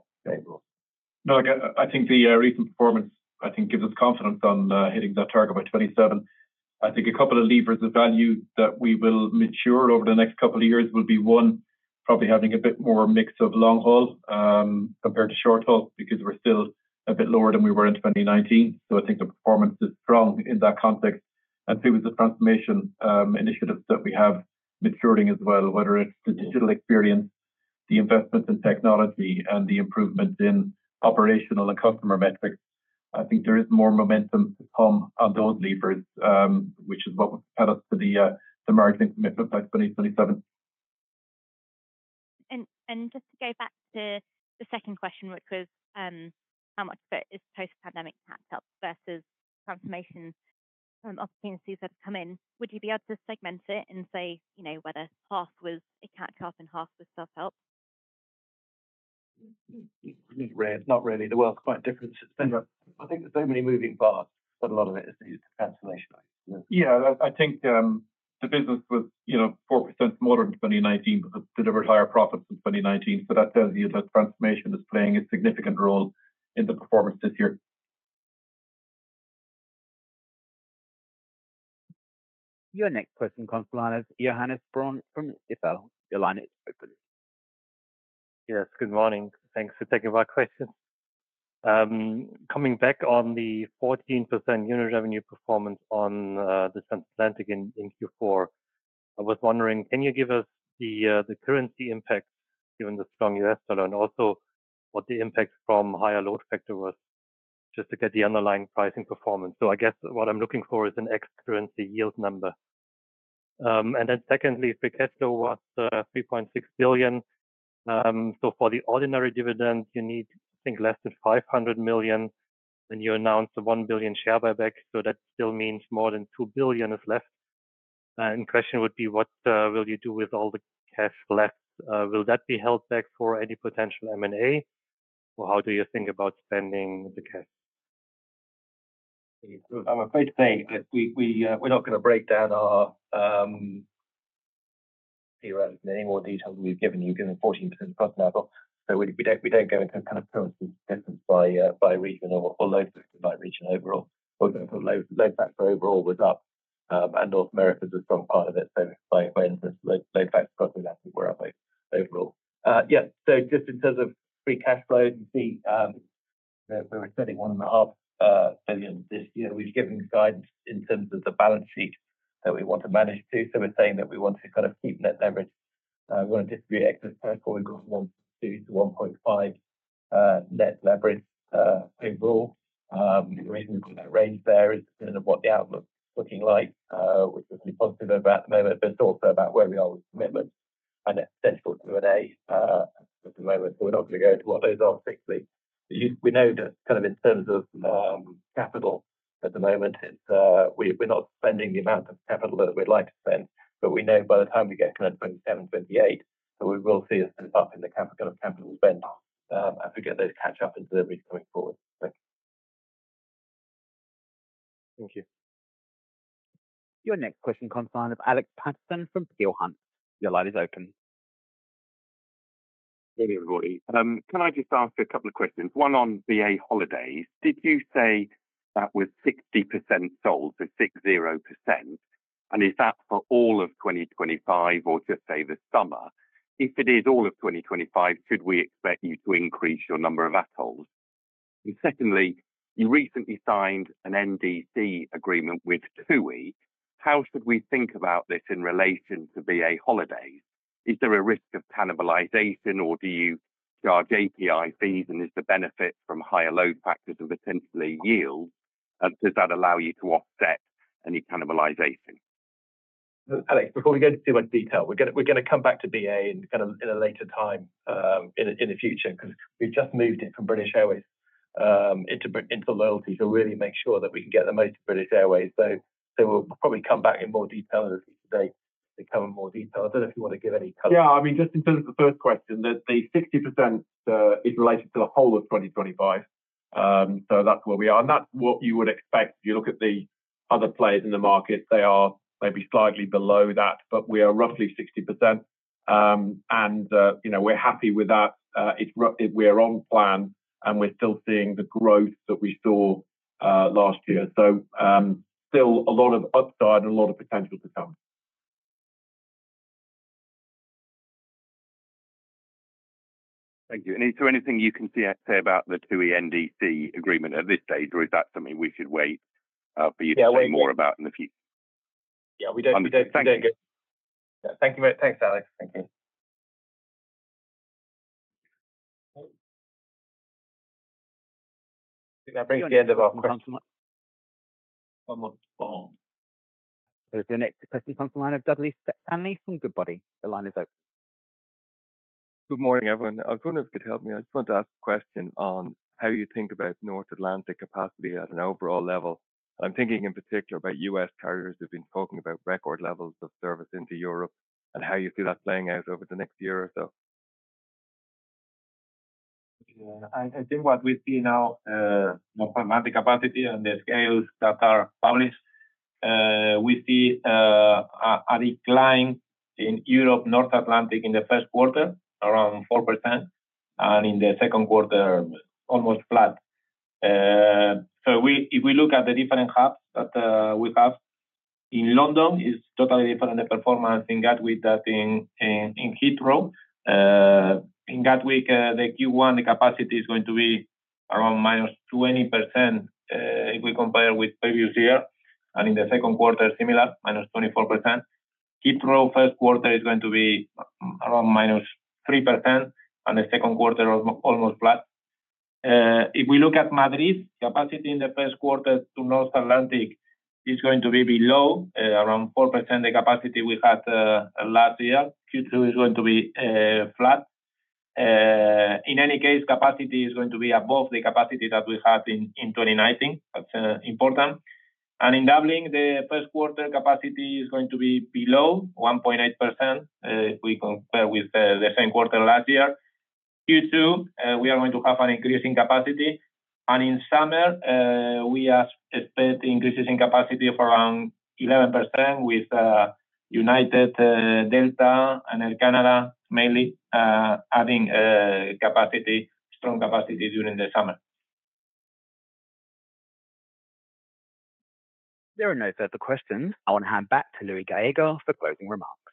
No, I think the recent performance, I think, gives us confidence on hitting that target by 2027. I think a couple of levers of value that we will mature over the next couple of years will be one, probably having a bit more mix of long-haul compared to short-haul because we're still a bit lower than we were in 2019. I think the performance is strong in that context. Two is the transformation initiatives that we have maturing as well, whether it's the digital experience, the investments in technology, and the improvements in operational and customer metrics. I think there is more momentum to come on those levers, which is what will help us to the margin commitment by 2027. Just to go back to the second question, which was how much of it is post-pandemic catch-up versus transformation opportunities that have come in, would you be able to segment it and say whether half was a catch-up and half was self-help? Not really. The world's quite different. I think there's so many moving parts that a lot of it is cancellation. Yeah, I think the business was 4% more in 2019, but it delivered higher profits in 2019. So that tells you that transformation is playing a significant role in the performance this year. Your next question comes from Johannes Braun from Stifel. Your line is open. Yes, good morning. Thanks for taking my question. Coming back on the 14% unit revenue performance on the South Atlantic in Q4, I was wondering, can you give us the currency impact given the strong U.S. dollar and also what the impact from higher load factor was just to get the underlying pricing performance? So I guess what I'm looking for is an ex-currency yield number. And then secondly, if the cash flow was 3.6 billion, so for the ordinary dividend, you need to think less than 500 million. And you announced a 1 billion share buyback, so that still means more than 2 billion is left. And the question would be, what will you do with all the cash left? Will that be held back for any potential M&A? Or how do you think about spending the cash? I'm afraid to say we're not going to break down our theoretically any more detail than we've given you given 14% plus now. So we don't go into kind of capacity difference by region or load factor by region overall. Load factor overall was up, and North America is a strong part of it. So the influence, load factor plus Atlantic were up overall. Yeah, so just in terms of free cash flow, you see we're spending 1.5 billion this year. We've given guidance in terms of the balance sheet that we want to manage to. So we're saying that we want to kind of keep net leverage. We want to distribute excess cash. We've got 1.2-1.5 net leverage overall. The reason we've got that range there is depending on what the outlook is looking like, which is positive at the moment, but it's also about where we are with commitments. And that's central to M&A at the moment. So we're not going to go into what those are strictly. We know that kind of in terms of capital at the moment, we're not spending the amount of capital that we'd like to spend. But we know by the time we get to 2027, 2028, we will see a step up in the capital spend as we get those catch-up interim coming forward. Thank you. Your next question, comes from Alex Paterson from Peel Hunt. Your line is open. Good morning, everybody. Can I just ask a couple of questions? One on BA Holidays. Did you say that was 60% sold, so 60%? Is that for all of 2025 or just, say, the summer? If it is all of 2025, should we expect you to increase your number of ATOLs? And secondly, you recently signed an NDC agreement with TUI. How should we think about this in relation to BA Holidays? Is there a risk of cannibalization, or do you charge API fees, and is the benefit from higher load factors and potentially yields? Does that allow you to offset any cannibalization? Alex, before we go into too much detail, we're going to come back to BA in a later time in the future because we've just moved it from British Airways into loyalty to really make sure that we can get the most of British Airways. So we'll probably come back in more detail and as we say, become in more detail. I don't know if you want to give any cut. Yeah, I mean, just in terms of the first question, the 60% is related to the whole of 2025. So that's where we are. And that's what you would expect if you look at the other players in the market. They are maybe slightly below that, but we are roughly 60%. And we're happy with that. We're on plan, and we're still seeing the growth that we saw last year. So still a lot of upside and a lot of potential to come. Thank you. And is there anything you can say about the TUI NDC agreement at this stage, or is that something we should wait for you to say more about in the future? Yeah, we don't get. Thank you very much. Thanks, Alex. Thank you. That brings the end of our questions. The next question is from Dudley Shanley from Goodbody. The line is open. Good morning, everyone. I was wondering if you could help me. I just wanted to ask a question on how you think about North Atlantic capacity at an overall level. I'm thinking in particular about U.S. carriers who've been talking about record levels of service into Europe and how you see that playing out over the next year or so. I think what we see now, North Atlantic capacity and the schedules that are published, we see a decline in Europe, North Atlantic in the first quarter, around 4%, and in the second quarter, almost flat. So if we look at the different hubs that we have in London, it's totally different in the performance in Gatwick than in Heathrow. In Gatwick, the Q1, the capacity is going to be around minus 20% if we compare with previous year. And in the second quarter, similar, minus 24%. Heathrow, first quarter, is going to be around minus 3%, and the second quarter, almost flat. If we look at Madrid, capacity in the first quarter to North Atlantic is going to be below, around 4%, the capacity we had last year. Q2 is going to be flat. In any case, capacity is going to be above the capacity that we had in 2019. That's important. And in Dublin, the first quarter capacity is going to be below 1.8% if we compare with the same quarter last year. Q2, we are going to have an increase in capacity. And in summer, we are expecting increases in capacity of around 11% with United, Delta, and Air Canada, mainly adding strong capacity during the summer. Very nice set of questions. I'll hand back to Luis Gallego for closing remarks.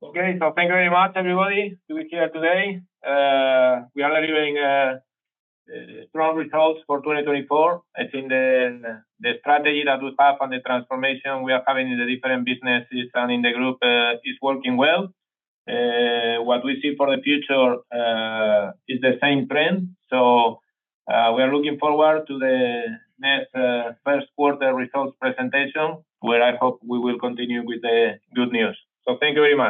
Okay, so thank you very much, everybody, to be here today. We are delivering strong results for 2024. I think the strategy that we have and the transformation we are having in the different businesses and in the group is working well. What we see for the future is the same trend. So we are looking forward to the next first quarter results presentation, where I hope we will continue with the good news. So thank you very much.